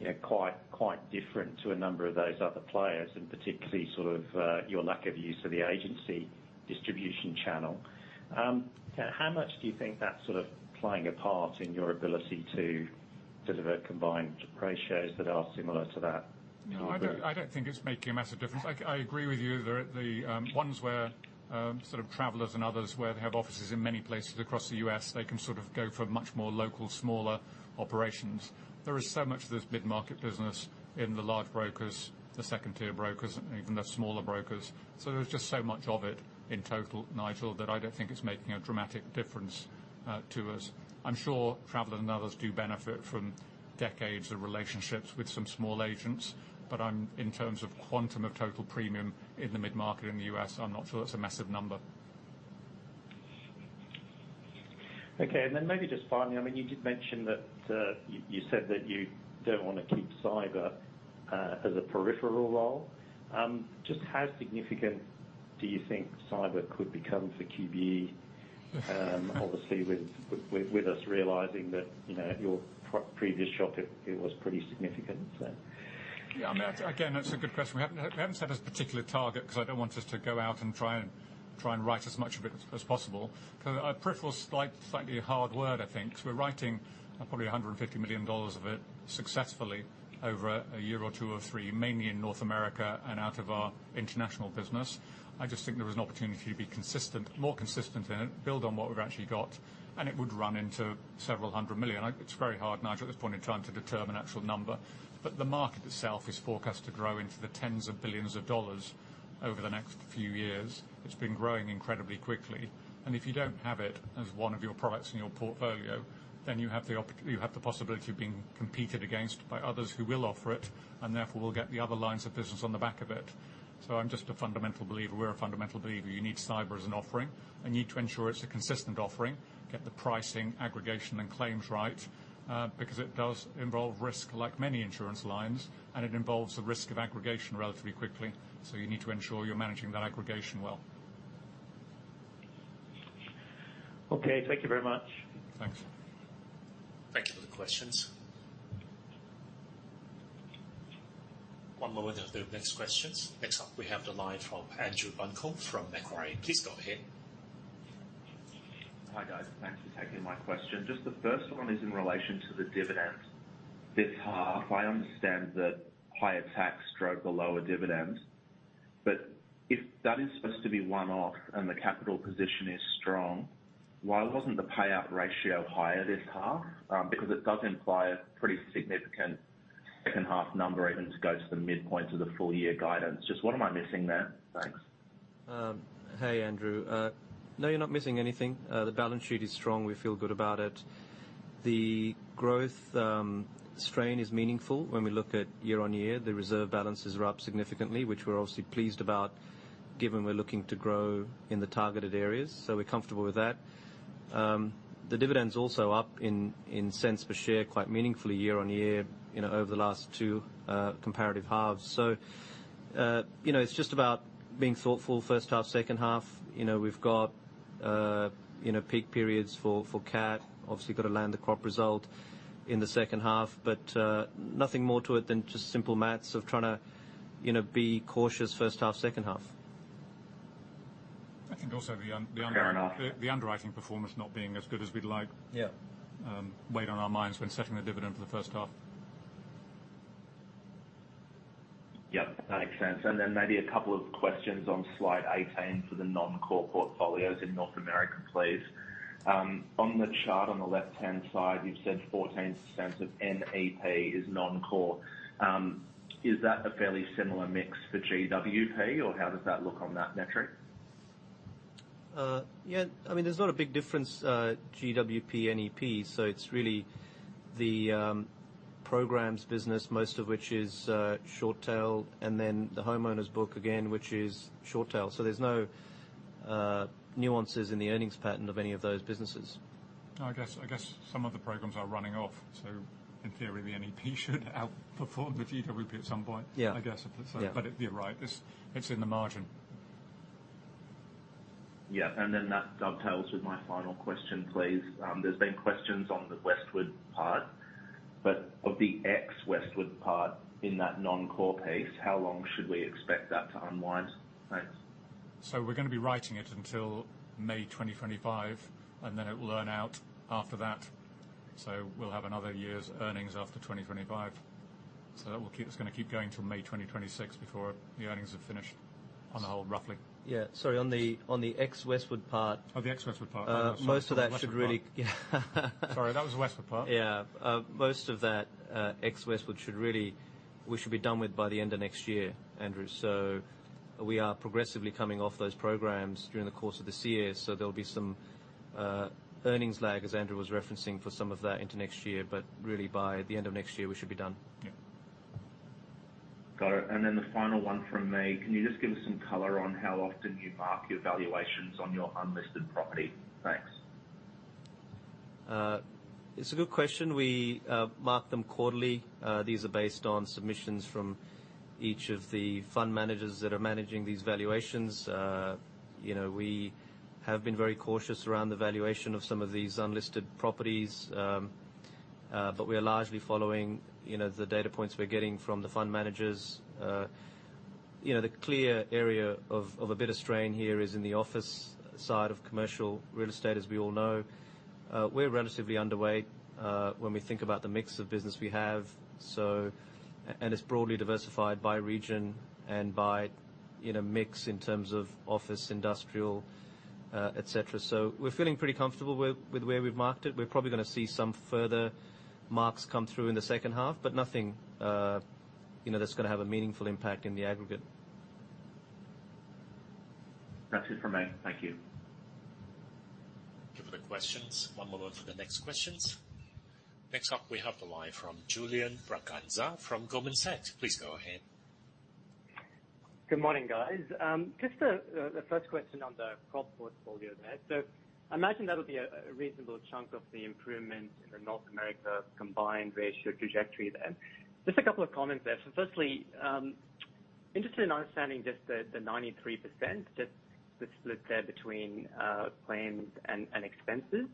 you know, quite, quite different to a number of those other players, and particularly sort of, your lack of use of the agency distribution channel. How much do you think that's sort of playing a part in your ability to deliver combined ratios that are similar to that? No, I don't, I don't think it's making a massive difference. I, I agree with you there. The ones where sort of Travelers and others, where they have offices in many places across the U.S. they can sort of go for much more local, smaller operations. There is so much of this mid-market business in the large brokers, the second tier brokers, and even the smaller brokers, so there's just so much of it in total, Nigel, that I don't think it's making a dramatic difference to us. I'm sure Travelers and others do benefit from decades of relationships with some small agents, but I'm, in terms of quantum of total premium in the mid-market in the U.S. I'm not sure that's a massive number. Okay, then maybe just finally, I mean, you did mention that you, you said that you don't want to keep cyber as a peripheral role. Just how significant do you think cyber could become for QBE? Obviously, with, with, with us realizing that, you know, at your previous job, it, it was pretty significant then. Yeah, I mean, again, that's a good question. We haven't, we haven't set a particular target, because I don't want us to go out and try and, try and write as much of it as possible. Peripheral is like slightly a hard word, I think, because we're writing probably $150 million of it successfully over a year or two or three, mainly in North America and out of our international business. I just think there was an opportunity to be consistent, more consistent in it, build on what we've actually got, and it would run into several hundred million. It's very hard, Nigel, at this point in time to determine actual number, the market itself is forecast to grow into the tens of billions of dollars over the next few years. It's been growing incredibly quickly, and if you don't have it as one of your products in your portfolio, then you have the possibility of being competed against by others who will offer it, and therefore will get the other lines of business on the back of it. I'm just a fundamental believer, we're a fundamental believer, you need cyber as an offering and need to ensure it's a consistent offering, get the pricing, aggregation, and claims right, because it does involve risk, like many insurance lines, and it involves the risk of aggregation relatively quickly, so you need to ensure you're managing that aggregation well. Okay, thank you very much. Thanks. Thank you for the questions. One moment of the next questions. Next up, we have the line from Andrew Buncombe, from Macquarie. Please go ahead. Hi, guys. Thanks for taking my question. Just the first one is in relation to the dividends. This half, I understand that higher tax drove the lower dividends, but if that is supposed to be one-off and the capital position is strong, why wasn't the payout ratio higher this half? Because it does imply a pretty significant second half number, even to go to the midpoint of the full-year guidance. Just what am I missing there? Thanks. Hey, Andrew. No, you're not missing anything. The balance sheet is strong. We feel good about it. The growth, strain is meaningful when we look at year-on-year. The reserve balances are up significantly, which we're obviously pleased about, given we're looking to grow in the targeted areas, so we're comfortable with that. The dividend's also up in cents per share, quite meaningfully year-on-year, you know, over the last 2 comparative halves. You know, it's just about being thoughtful, first half, second half. You know, we've got, you know, peak periods for Cat. Obviously, got to land the crop result in the second half, nothing more to it than just simple math of trying to, you know, be cautious first half, second half. I think also the the underwriting. Fair enough. The underwriting performance not being as good as we'd like. Yeah weighed on our minds when setting the dividend for the first half. Yep, that makes sense. Then maybe a couple of questions on slide 18 for the non-core portfolios in North America, please. On the chart on the left-hand side, you've said 14% of NEP is non-core. Is that a fairly similar mix for GWP, or how does that look on that metric? Yeah, I mean, there's not a big difference, GWP, NEP, so it's really the programs business, most of which is short tail, and then the homeowners book again, which is short tail. There's no nuances in the earnings pattern of any of those businesses. I guess, I guess some of the programs are running off. In theory, the NEP should outperform the GWP at some point. Yeah. I guess. Yeah. You're right, it's, it's in the margin. Yeah, and then that dovetails with my final question, please. There's been questions on the Westwood part, but of the ex-Westwood part in that non-core pace, how long should we expect that to unwind? Thanks. We're going to be writing it until May 2025, and then it will earn out after that. We'll have another year's earnings after 2025. That will keep going till May 2026 before the earnings are finished on the whole, roughly. Yeah. Sorry, on the, on the ex-Westwood part- Oh, the ex-Westwood part. Most of that should really- Sorry, that was the Westwood part. Yeah. Most of that, ex-Westwood we should be done with by the end of next year, Andrew. We are progressively coming off those programs during the course of this year, so there'll be some, earnings lag, as Andrew was referencing, for some of that into next year, really, by the end of next year, we should be done. Yeah. Got it. The final one from me, can you just give us some color on how often you mark your valuations on your unlisted property? Thanks. It's a good question. We mark them quarterly. These are based on submissions from each of the fund managers that are managing these valuations. You know, we have been very cautious around the valuation of some of these unlisted properties, but we are largely following, you know, the data points we're getting from the fund managers. You know, the clear area of, of a bit of strain here is in the office side of commercial real estate, as we all know. We're relatively underweight when we think about the mix of business we have. It's broadly diversified by region and by, in a mix in terms of office, industrial, et cetera. We're feeling pretty comfortable with, with where we've marked it. We're probably going to see some further marks come through in the second half, but nothing, you know, that's going to have a meaningful impact in the aggregate. That's it for me. Thank you. Thank you for the questions. One moment for the next questions. Next up, we have the line from Julian Braganza from Goldman Sachs. Please go ahead. Good morning, guys. Just the first question on the crop portfolio there. I imagine that'll be a reasonable chunk of the improvement in the North America combined ratio trajectory then. Just a couple of comments there. Firstly, interested in understanding just the 93%, just the split there between claims and expenses.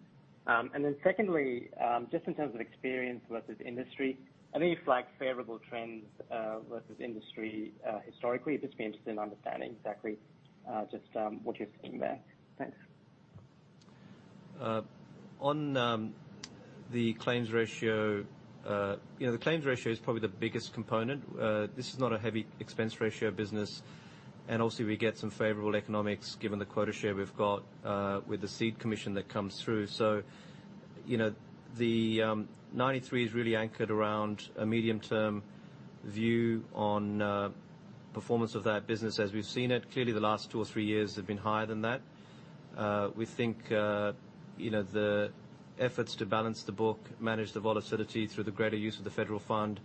Then secondly, just in terms of experience versus industry, I think you flag favorable trends versus industry historically. Just be interested in understanding exactly what you're seeing there. Thanks. On the claims ratio, you know, the claims ratio is probably the biggest component. This is not a heavy expense ratio business, and also, we get some favorable economics given the quota share we've got, with the seed commission that comes through. you know, the 93 is really anchored around a medium-term view on performance of that business as we've seen it. Clearly, the last 2 or 3 years have been higher than that. We think, you know, the efforts to balance the book, manage the volatility through the greater use of the federal fund,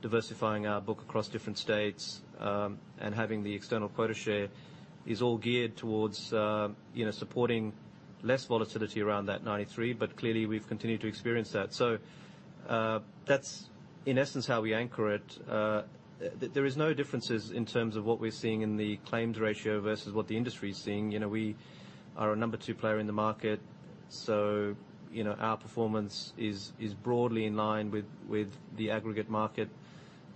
diversifying our book across different states, and having the external quota share is all geared towards, you know, supporting less volatility around that 93, but clearly, we've continued to experience that. That's in essence, how we anchor it. There is no differences in terms of what we're seeing in the claims ratio versus what the industry is seeing. You know, we are a number 2 player in the market, you know, our performance is broadly in line with the aggregate market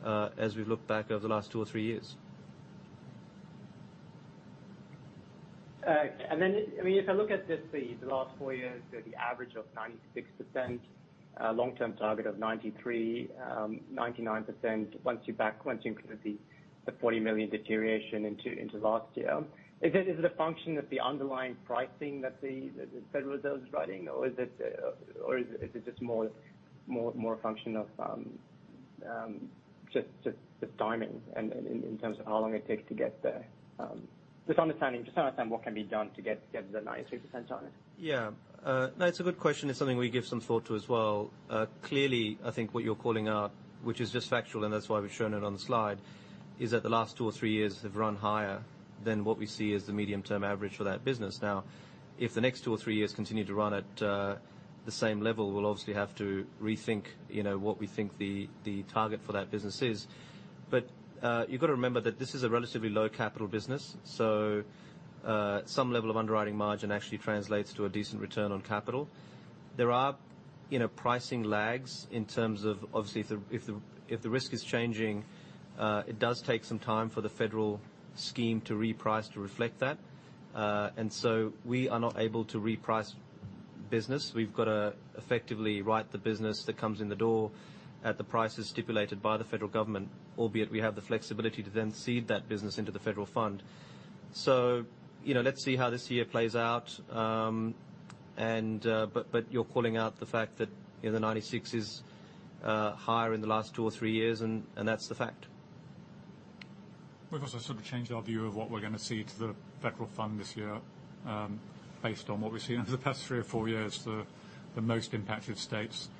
as we look back over the last 2 or 3 years. I mean, if I look at just the, the last 4 years, the average of 96%, long-term target of 93, 99%, once you back, once you include the, the 40 million deterioration into, into last year, is it, is it a function of the underlying pricing that the, the Federal Reserve is running, or is it, or is it, is it just more, more, more a function of timing and in terms of how long it takes to get there? To understand what can be done to get, get the 96% on it. Yeah. No, it's a good question. It's something we give some thought to as well. Clearly, I think what you're calling out, which is just factual, and that's why we've shown it on the slide, is that the last 2 or 3 years have run higher than what we see as the medium-term average for that business. Now, if the next 2 or 3 years continue to run at the same level, we'll obviously have to rethink, you know, what we think the, the target for that business is. You've got to remember that this is a relatively low capital business, so some level of underwriting margin actually translates to a decent return on capital. There are, you know, pricing lags in terms of, obviously, if the, if the, if the risk is changing, it does take some time for the Federal scheme to reprice to reflect that. We are not able to reprice business. We've got to effectively write the business that comes in the door at the prices stipulated by the federal government, albeit we have the flexibility to then cede that business into the Federal fund. You know, let's see how this year plays out, and, but, but you're calling out the fact that, you know, the 96 is higher in the last two or three years, and, and that's the fact. We've also sort of changed our view of what we're going to cede to the federal fund this year, based on what we've seen over the past three or four years, the, the most impacted states,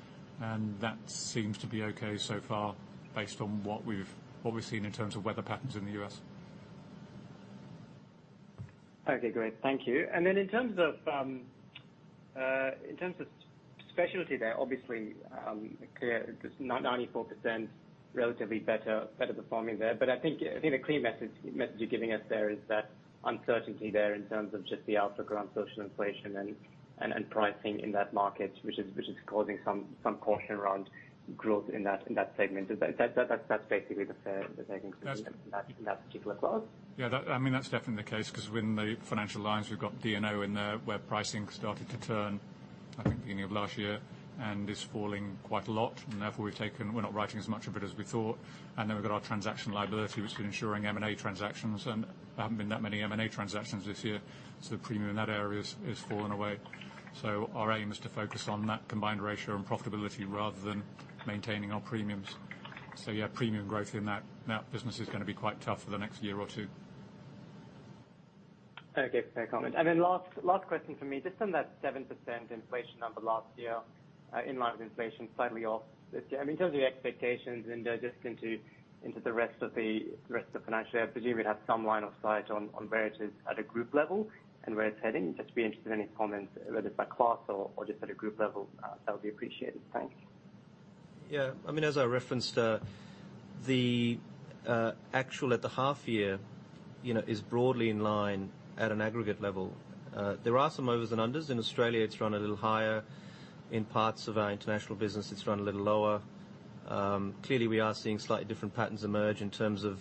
and that seems to be okay so far, based on what we've, what we've seen in terms of weather patterns in the US. Okay, great. Thank you. Then in terms of, in terms of specialty there, obviously, clear, this 94% relatively better, better performing there. I think, I think the clear message, message you're giving us there is that uncertainty there in terms of just the outlook around social inflation and, and, and pricing in that market, which is, which is causing some, some caution around growth in that, in that segment. Is that, that's, that's basically the take in that, in that particular clause? Yeah, that, I mean, that's definitely the case, because within the financial lines, we've got D&O in there, where pricing started to turn, I think, beginning of last year, and is falling quite a lot. Therefore, we're not writing as much of it as we thought. Then we've got our transaction liability, which has been ensuring M&A transactions, and there haven't been that many M&A transactions this year, so the premium in that area is, is fallen away. Our aim is to focus on that combined ratio and profitability rather than maintaining our premiums. Yeah, premium growth in that, that business is going to be quite tough for the next year or two. Okay, fair comment. Then last, last question for me. Just on that 7% inflation number last year, in line with inflation, slightly off this year. I mean, in terms of your expectations and, just into, into the rest of the, the rest of the financial year, I presume you'd have some line of sight on, on where it is at a group level and where it's heading. Just be interested in any comments, whether it's by class or, or just at a group level, that would be appreciated. Thanks. Yeah. I mean, as I referenced, the actual at the half year, you know, is broadly in line at an aggregate level. There are some overs and unders. In Australia, it's run a little higher. In parts of our international business, it's run a little lower. Clearly, we are seeing slightly different patterns emerge in terms of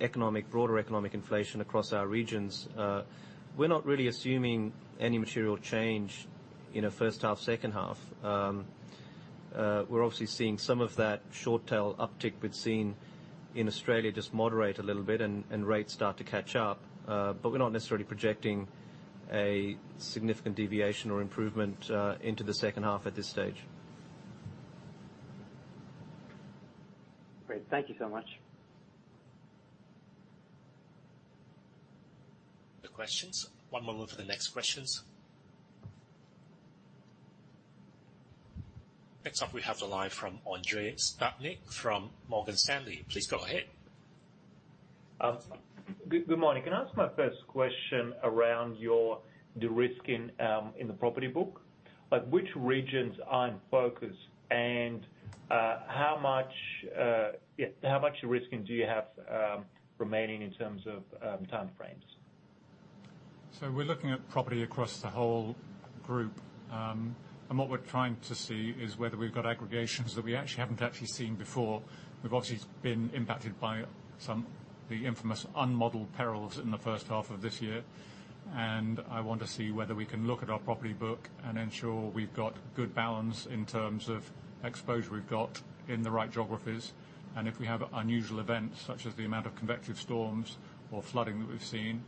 economic, broader economic inflation across our regions. We're not really assuming any material change in a first half, second half. We're obviously seeing some of that short tail uptick we'd seen in Australia just moderate a little bit and, and rates start to catch up. But we're not necessarily projecting a significant deviation or improvement into the second half at this stage. Great. Thank you so much. Questions. One moment for the next questions. Next up, we have the line from Andrei Stadnik from Morgan Stanley. Please go ahead. Good, good morning. Can I ask my first question around your de-risking in the property book? Like, which regions are in focus, and, how much, yeah, how much de-risking do you have remaining in terms of time frames? We're looking at property across the whole group, and what we're trying to see is whether we've got aggregations that we actually haven't actually seen before. We've obviously been impacted by some, the infamous unmodeled perils in the first half of this year, and I want to see whether we can look at our property book and ensure we've got good balance in terms of exposure we've got in the right geographies. If we have unusual events, such as the amount of convective storms or flooding that we've seen,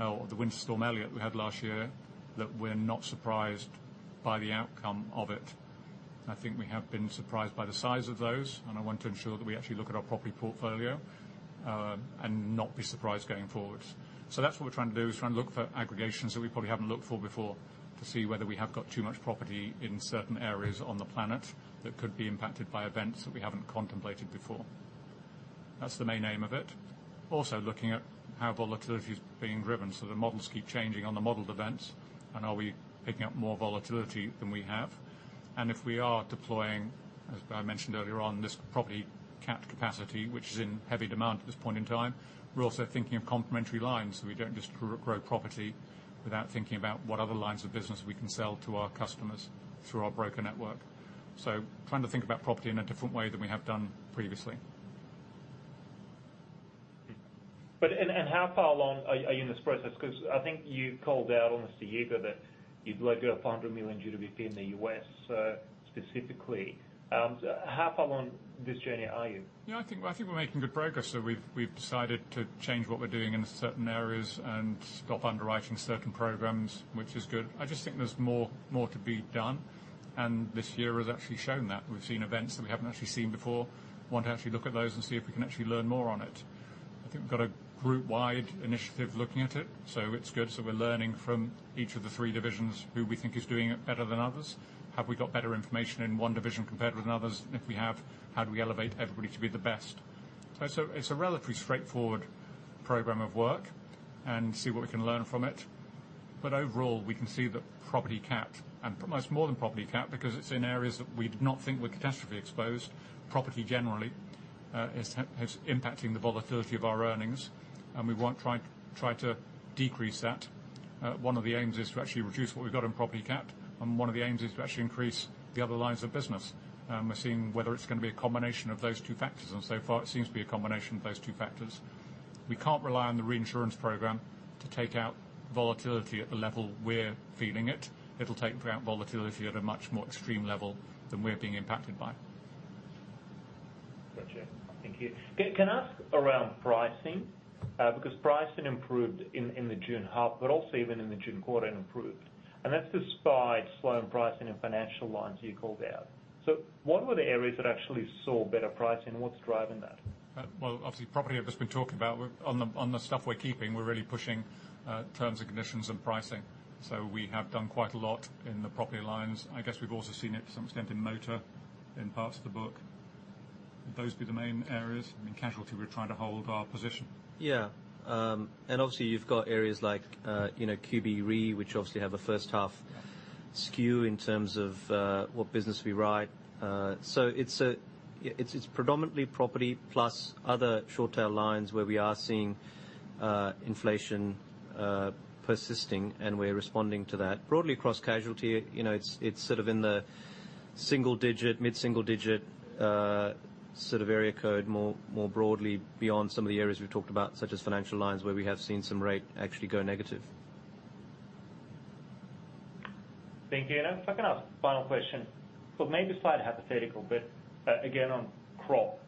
or the Winter Storm Elliott we had last year, that we're not surprised by the outcome of it. I think we have been surprised by the size of those, and I want to ensure that we actually look at our property portfolio, and not be surprised going forward. That's what we're trying to do, is try and look for aggregations that we probably haven't looked for before, to see whether we have got too much property in certain areas on the planet that could be impacted by events that we haven't contemplated before. That's the main aim of it. Also, looking at how volatility is being driven, so the models keep changing on the modeled events, and are we picking up more volatility than we have? If we are deploying, as I mentioned earlier on, this property Cat capacity, which is in heavy demand at this point in time, we're also thinking of complementary lines, so we don't just grow property without thinking about what other lines of business we can sell to our customers through our broker network. Trying to think about property in a different way than we have done previously. And how far along are, are you in this process? Because I think you called out on the [segment] that you'd load your up $100 million GWP in the U.S. specifically. So how far along this journey are you? Yeah, I think, I think we're making good progress. We've, we've decided to change what we're doing in certain areas and stop underwriting certain programs, which is good. I just think there's more, more to be done, and this year has actually shown that. We've seen events that we haven't actually seen before. Want to actually look at those and see if we can actually learn more on it. I think we've got a group-wide initiative looking at it, so it's good. We're learning from each of the three divisions who we think is doing it better than others. Have we got better information in one division compared with others? If we have, how do we elevate everybody to be the best? It's a relatively straightforward program of work, and see what we can learn from it. Overall, we can see that property cap, and almost more than property cap, because it's in areas that we did not think were catastrophically exposed. Property generally is impacting the volatility of our earnings, and we want try, try to decrease that. One of the aims is to actually reduce what we've got in property cap, and one of the aims is to actually increase the other lines of business. We're seeing whether it's gonna be a combination of those two factors, and so far, it seems to be a combination of those two factors. We can't rely on the reinsurance program to take out volatility at the level we're feeling it. It'll take out volatility at a much more extreme level than we're being impacted by. Gotcha. Thank you. Can I ask around pricing? Pricing improved in the June half, but also even in the June quarter, it improved, and that's despite slowing pricing in financial lines you called out. What were the areas that actually saw better pricing, and what's driving that? Well, obviously, property I've just been talking about. On the, on the stuff we're keeping, we're really pushing, terms and conditions and pricing. We have done quite a lot in the property lines. I guess we've also seen it to some extent in motor, in parts of the book. Those be the main areas. In casualty, we're trying to hold our position. Yeah. Obviously, you've got areas like, you know, QBE Re, which obviously have a first half skew in terms of what business we write. It's predominantly property plus other short tail lines where we are seeing inflation persisting, and we're responding to that. Broadly across casualty, you know, it's sort of in the single digit, mid-single digit sort of area code, more broadly beyond some of the areas we've talked about, such as financial lines, where we have seen some rate actually go negative. Thank you. If I can ask final question, but maybe slightly hypothetical, but again, on crop.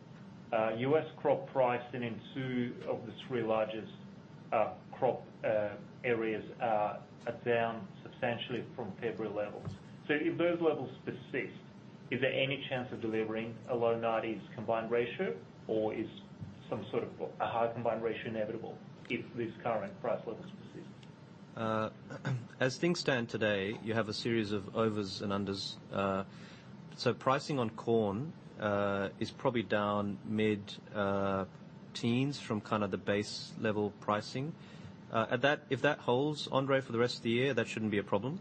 US crop pricing in two of the three largest crop areas are down substantially from February levels. If those levels persist, is there any chance of delivering a low nineties combined ratio, or is some sort of a high combined ratio inevitable if these current price levels persist? As things stand today, you have a series of overs and unders. Pricing on corn is probably down mid-teens from kind of the base level pricing. If that holds, Andre, for the rest of the year, that shouldn't be a problem.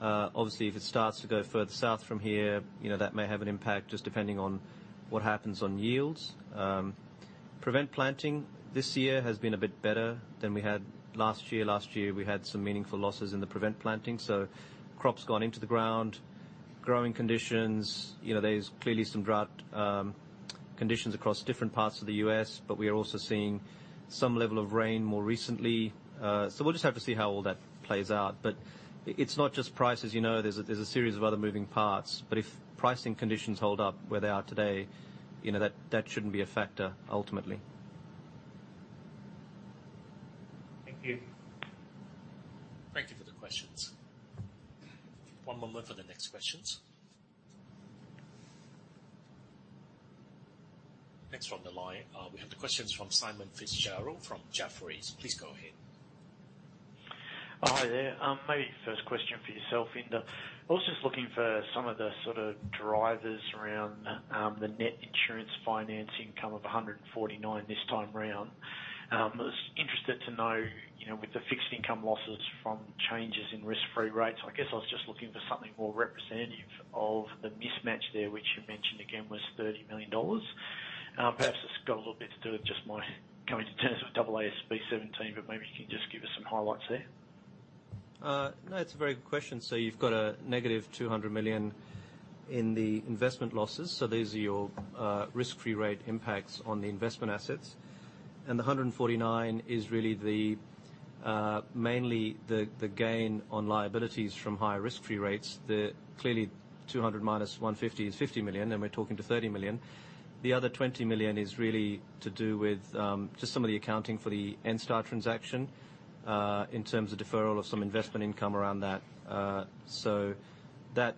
Obviously, if it starts to go further south from here, you know, that may have an impact, just depending on what happens on yields. Prevented planting this year has been a bit better than we had last year. Last year, we had some meaningful losses in the prevented planting, so crops gone into the ground. Growing conditions, you know, there's clearly some drought conditions across different parts of the U.S. but we are also seeing some level of rain more recently. We'll just have to see how all that plays out. It's not just prices, you know, there's a series of other moving parts, but if pricing conditions hold up where they are today, you know that, that shouldn't be a factor ultimately. Thank you. Thank you for the questions. One moment for the next questions. Next on the line, we have the questions from Simon Fitzgerald from Jefferies. Please go ahead. Hi there. Maybe first question for yourself, Inder Singh. I was just looking for some of the sort of drivers around the net insurance finance income of 149 this time around. I was interested to know, you know, with the fixed income losses from changes in risk-free rates, I guess I was just looking for something more representative of the mismatch there, which you mentioned again, was 30 million dollars. Perhaps it's got a little bit to do with just my coming to terms with AASB 17, but maybe you can just give us some highlights there. No, it's a very good question. You've got a negative 200 million in the investment losses. These are your risk-free rate impacts on the investment assets. The 149 million is really the, mainly the, the gain on liabilities from higher risk-free rates. Clearly, 200 million minus 150 million is 50 million, and we're talking to 30 million. The other 20 million is really to do with just some of the accounting for the Enstar transaction in terms of deferral of some investment income around that. That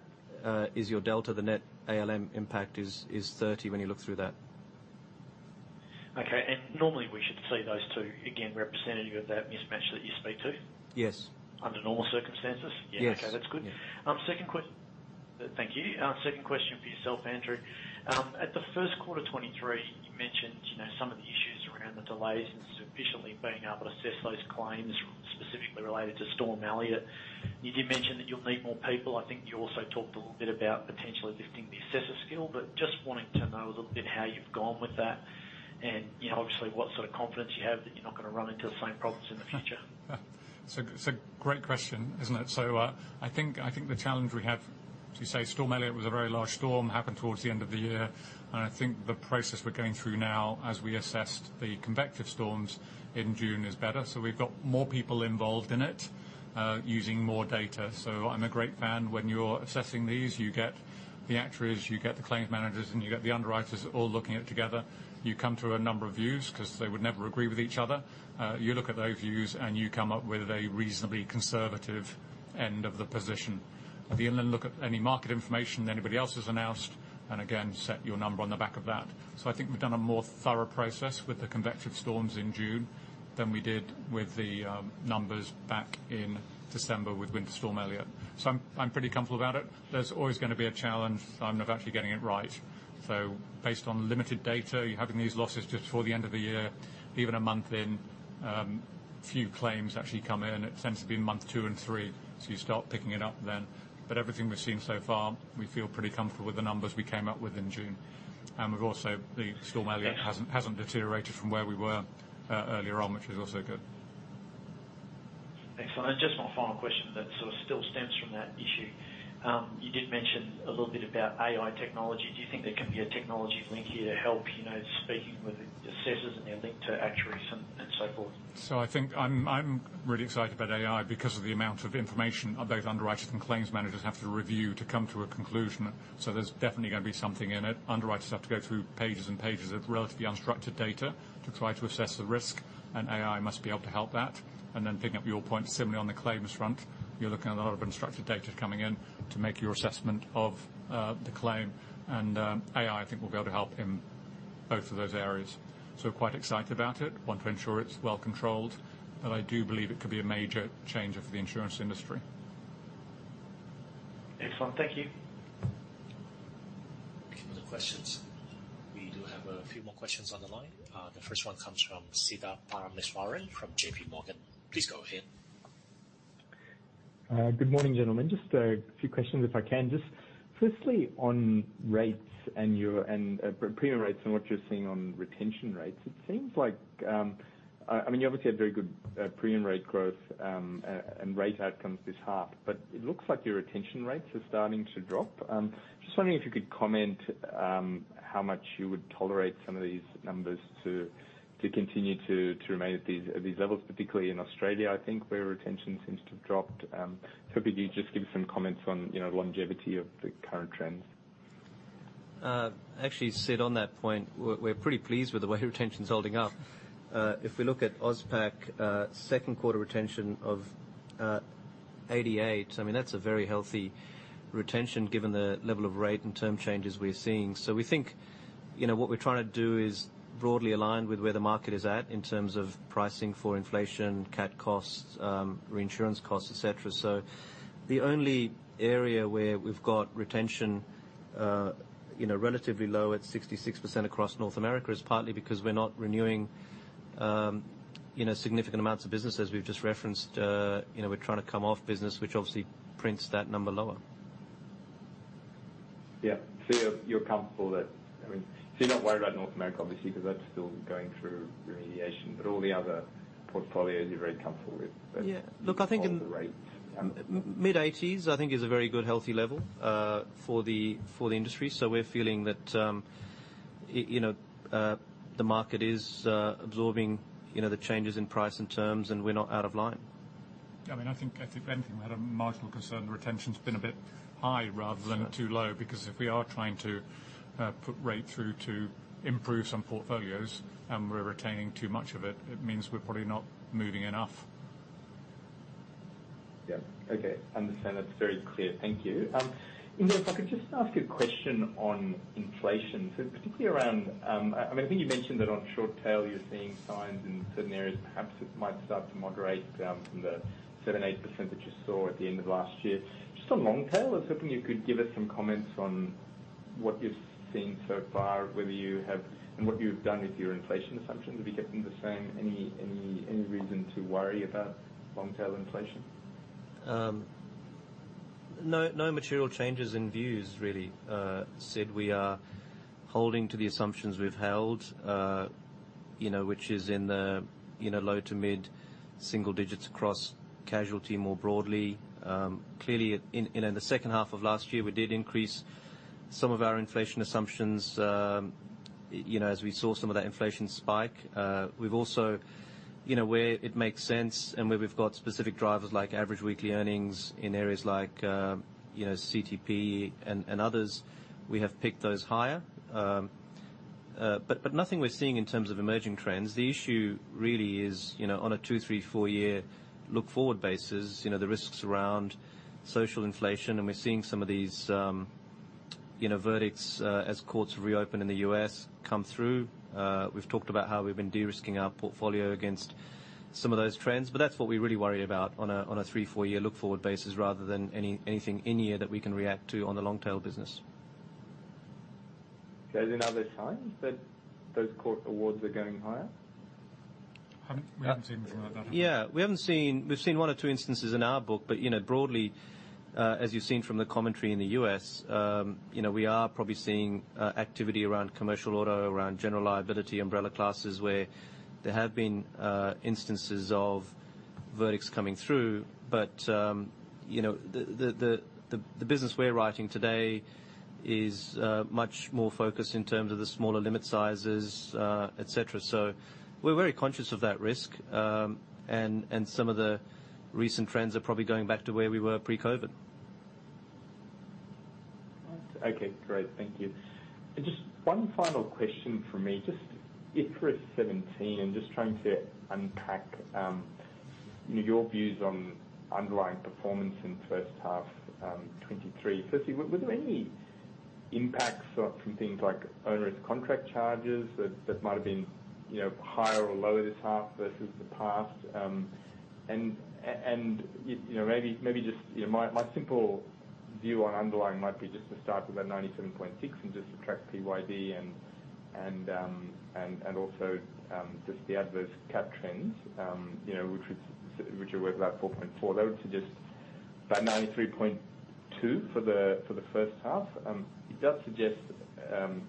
is your delta. The net ALM impact is, is 30 million when you look through that. Okay. Normally we should see those two again, representative of that mismatch that you speak to? Yes. Under normal circumstances? Yes. Yeah. Okay, that's good. Yeah. Second Thank you. Second question for yourself, Andrew. At the first quarter 2023, you mentioned, you know, some of the issues around the delays and sufficiently being able to assess those claims, specifically related to Storm Elliott. You did mention that you'll need more people. I think you also talked a little bit about potentially lifting the assessor skill, but just wanting to know a little bit how you've gone with that, and, you know, obviously what sort of confidence you have that you're not gonna run into the same problems in the future. It's a, it's a great question, isn't it? I think, I think the challenge we have, to say, Storm Elliott was a very large storm, happened towards the end of the year, and I think the process we're going through now as we assessed the convective storms in June is better. We've got more people involved in it, using more data. I'm a great fan when you're assessing these, you get the actuaries, you get the claims managers, and you get the underwriters all looking at it together. You come to a number of views, 'cause they would never agree with each other. You look at those views, you come up with a reasonably conservative end of the position. Look at any market information anybody else has announced.... again, set your number on the back of that. I think we've done a more thorough process with the convective storms in June than we did with the numbers back in December with Winter Storm Elliott. I'm pretty comfortable about it. There's always gonna be a challenge of actually getting it right. Based on limited data, you're having these losses just before the end of the year, even a month in, few claims actually come in. It tends to be in month two and three, you start picking it up then. Everything we've seen so far, we feel pretty comfortable with the numbers we came up with in June. We've also, the Storm Elliott hasn't, hasn't deteriorated from where we were earlier on, which is also good. Excellent. Just one final question that sort of still stems from that issue. You did mention a little bit about AI technology. Do you think there can be a technology link here to help, you know, speaking with assessors and their link to actuaries and, and so forth? I think I'm really excited about AI because of the amount of information both underwriters and claims managers have to review to come to a conclusion. There's definitely gonna be something in it. Underwriters have to go through pages and pages of relatively unstructured data to try to assess the risk, and AI must be able to help that. Then picking up your point, similarly on the claims front, you're looking at a lot of unstructured data coming in to make your assessment of the claim. AI, I think, will be able to help in both of those areas. Quite excited about it. Want to ensure it's well controlled, but I do believe it could be a major changer for the insurance industry. Excellent. Thank you. Any other questions? We do have a few more questions on the line. The first one comes from Siddharth Parameswaran from J.P. Morgan. Please go ahead. Good morning, gentlemen. Just a few questions, if I can. Just firstly, on rates and your and premium rates and what you're seeing on retention rates, it seems like, I mean, you obviously had very good premium rate growth, and rate outcomes this half, but it looks like your retention rates are starting to drop. Just wondering if you could comment, how much you would tolerate some of these numbers to, to continue to, to remain at these, at these levels, particularly in Australia, I think, where retention seems to have dropped. If you could just give some comments on, you know, longevity of the current trends. Actually, Sid, on that point, we're, we're pretty pleased with the way retention is holding up. If we look at Auspac, second quarter retention of 88%, I mean, that's a very healthy retention given the level of rate and term changes we're seeing. We think, you know, what we're trying to do is broadly align with where the market is at in terms of pricing for inflation, Cat costs, reinsurance costs, et cetera. The only area where we've got retention, you know, relatively low at 66% across North America is partly because we're not renewing, you know, significant amounts of business as we've just referenced. You know, we're trying to come off business, which obviously prints that number lower. Yeah. You're, you're comfortable that, I mean, so you're not worried about North America, obviously, because that's still going through remediation, but all the other portfolios you're very comfortable with? Yeah. Look, I think. All the rate. Mid-eighties, I think is a very good, healthy level for the industry. We're feeling that, you know, the market is absorbing, you know, the changes in price and terms, and we're not out of line. I mean, I think, I think if anything, we had a marginal concern, retention's been a bit high rather than too low, because if we are trying to put rate through to improve some portfolios and we're retaining too much of it, it means we're probably not moving enough. Yeah. Okay, understand. That's very clear. Thank you. Inder, if I could just ask a question on inflation, so particularly around, I think you mentioned that on short tail, you're seeing signs in certain areas, perhaps it might start to moderate down from the 7%, 8% that you saw at the end of last year. Just on long tail, I was hoping you could give us some comments on what you've seen so far, whether you have and what you've done with your inflation assumptions. Have you kept them the same? Any reason to worry about long tail inflation? No, no material changes in views, really, Sid. We are holding to the assumptions we've held, you know, which is in the low to mid single digits across casualty, more broadly. Clearly, in, you know, in the second half of last year, we did increase some of our inflation assumptions, you know, as we saw some of that inflation spike. We've also, you know, where it makes sense and where we've got specific drivers like average weekly earnings in areas like, you know, CTP and, and others, we have picked those higher. But nothing we're seeing in terms of emerging trends. The issue really is, you know, on a 2, 3, 4-year look forward basis, you know, the risks around social inflation, and we're seeing some of these, you know, verdicts, as courts reopen in the US come through. We've talked about how we've been de-risking our portfolio against some of those trends, but that's what we really worry about on a, on a 3, 4-year look forward basis, rather than anything in-year that we can react to on the long tail business. Okay. Are there other signs that those court awards are going higher? We haven't seen anything like that. Yeah, we haven't seen... We've seen one or two instances in our book, but, you know, broadly, as you've seen from the commentary in the US, you know, we are probably seeing activity around commercial auto, around general liability, umbrella classes, where there have been instances of verdicts coming through. You know, the business we're writing today is much more focused in terms of the smaller limit sizes, et cetera. We're very conscious of that risk, and some of the recent trends are probably going back to where we were pre-COVID. Okay, great. Thank you. Just one final question for me, just IFRS 17, I'm just trying to unpack your views on underlying performance in 1st half 23. Firstly, were there any impacts from things like onerous contract charges that might have been, you know, higher or lower this half versus the past? You know, my simple view on underlying might be just to start with that 97.6 and just subtract PYD and also just the adverse CAT trends, you know, which are worth about 4.4. That would suggest about 93.2 for the 1st half. It does suggest,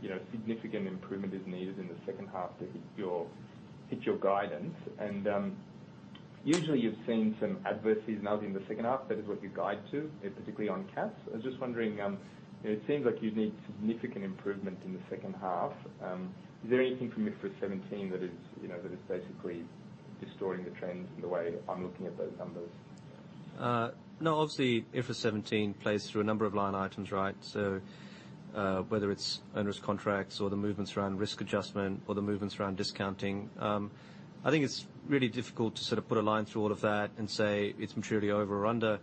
you know, significant improvement is needed in the 2nd half to hit your guidance. Usually you've seen some adverse seasonality in the second half. That is what you guide to, particularly on Cats. I was just wondering, you know, it seems like you'd need significant improvement in the second half. Is there anything from IFRS 17 that is, you know, that is basically distorting the trends in the way I'm looking at those numbers? No, obviously, IFRS 17 plays through a number of line items, right? Whether it's onerous contracts or the movements around risk adjustment or the movements around discounting, I think it's really difficult to sort of put a line through all of that and say it's materially over or under.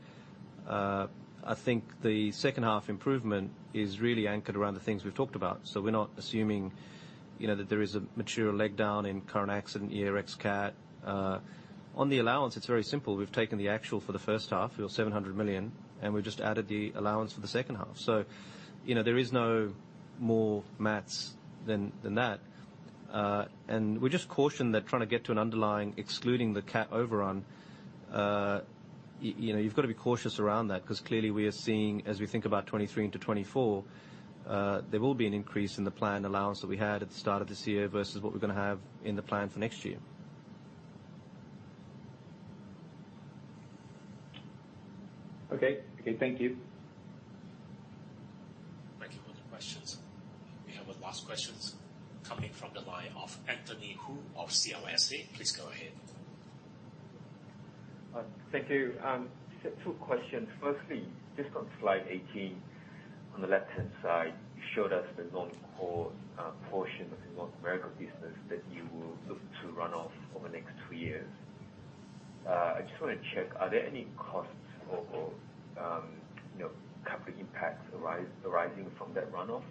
I think the second half improvement is really anchored around the things we've talked about. We're not assuming, you know, that there is a material leg down in current accident, year ex Cat. On the allowance, it's very simple. We've taken the actual for the first half, your 700 million, and we've just added the allowance for the second half. You know, there is no more maths than, than that. We just caution that trying to get to an underlying, excluding the Cat overrun, you know, you've got to be cautious around that, because clearly we are seeing as we think about 23 into 24, there will be an increase in the planned allowance that we had at the start of this year versus what we're going to have in the plan for next year. Okay. Okay, thank you. Thank you for the questions. We have a last questions coming from the line of Anthony Ho of CLSA. Please go ahead. Thank you. Just 2 questions. Firstly, just on slide 18, on the left-hand side, you showed us the non-core portion of the North America business that you will look to run off over the next 2 years. I just want to check, are there any costs or, or, you know, capital impacts arising from that runoff?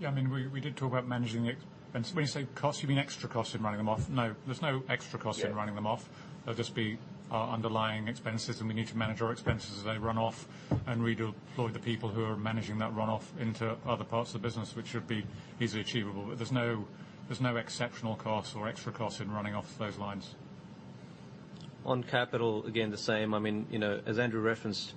Yeah, I mean, we, we did talk about managing the When you say costs, you mean extra costs in running them off? No, there's no extra cost in running them off. Yeah. There'll just be our underlying expenses, and we need to manage our expenses as they run off and redeploy the people who are managing that runoff into other parts of the business, which should be easily achievable. There's no, there's no exceptional costs or extra costs in running off those lines. On capital, again, the same. I mean, you know, as Andrew referenced,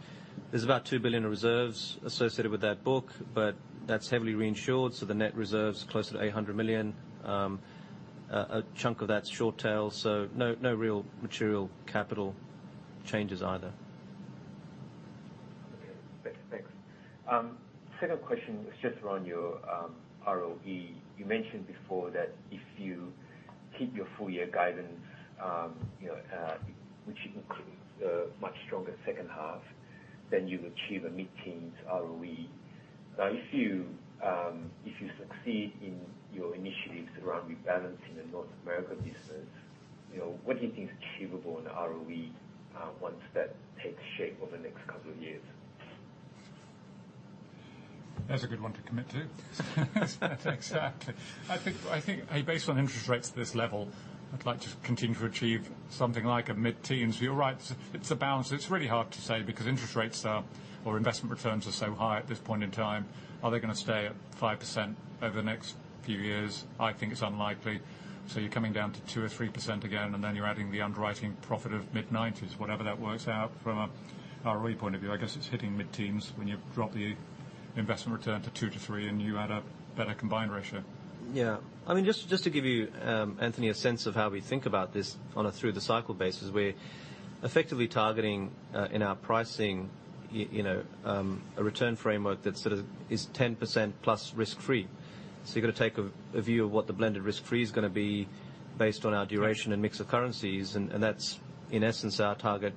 there's about 2 billion in reserves associated with that book, but that's heavily reinsured, so the net reserve's closer to 800 million. A chunk of that's short tail, so no, no real material capital changes either. Okay, thanks. Second question is just around your ROE. You mentioned before that if you keep your full year guidance, you know, which includes a much stronger second half, then you achieve a mid-teens ROE. Now, if you, if you succeed in your initiatives around rebalancing the North America business, you know, what do you think is achievable in the ROE, once that takes shape over the next couple of years? That's a good one to commit to. Exactly. I think, I think based on interest rates at this level, I'd like to continue to achieve something like a mid-teens. You're right, it's a balance. It's really hard to say because interest rates are, or investment returns are so high at this point in time. Are they going to stay at 5% over the next few years? I think it's unlikely. You're coming down to 2% or 3% again, and then you're adding the underwriting profit of mid-nineties, whatever that works out from a ROE point of view. I guess it's hitting mid-teens when you drop the investment return to 2% to 3% and you add a better combined ratio. Yeah. I mean, just, just to give you, Anthony, a sense of how we think about this on a through the cycle basis, we're effectively targeting in our pricing, you know, a return framework that sort of is 10% plus risk-free. You've got to take a view of what the blended risk-free is going to be based on our duration and mix of currencies, and that's, in essence, our target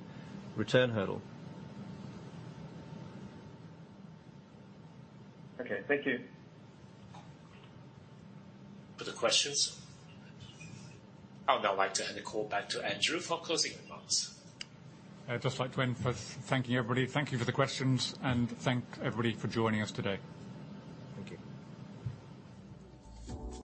return hurdle. Okay, thank you. For the questions. I would now like to hand the call back to Andrew for closing remarks. I'd just like to end by thanking everybody. Thank you for the questions, and thank everybody for joining us today. Thank you.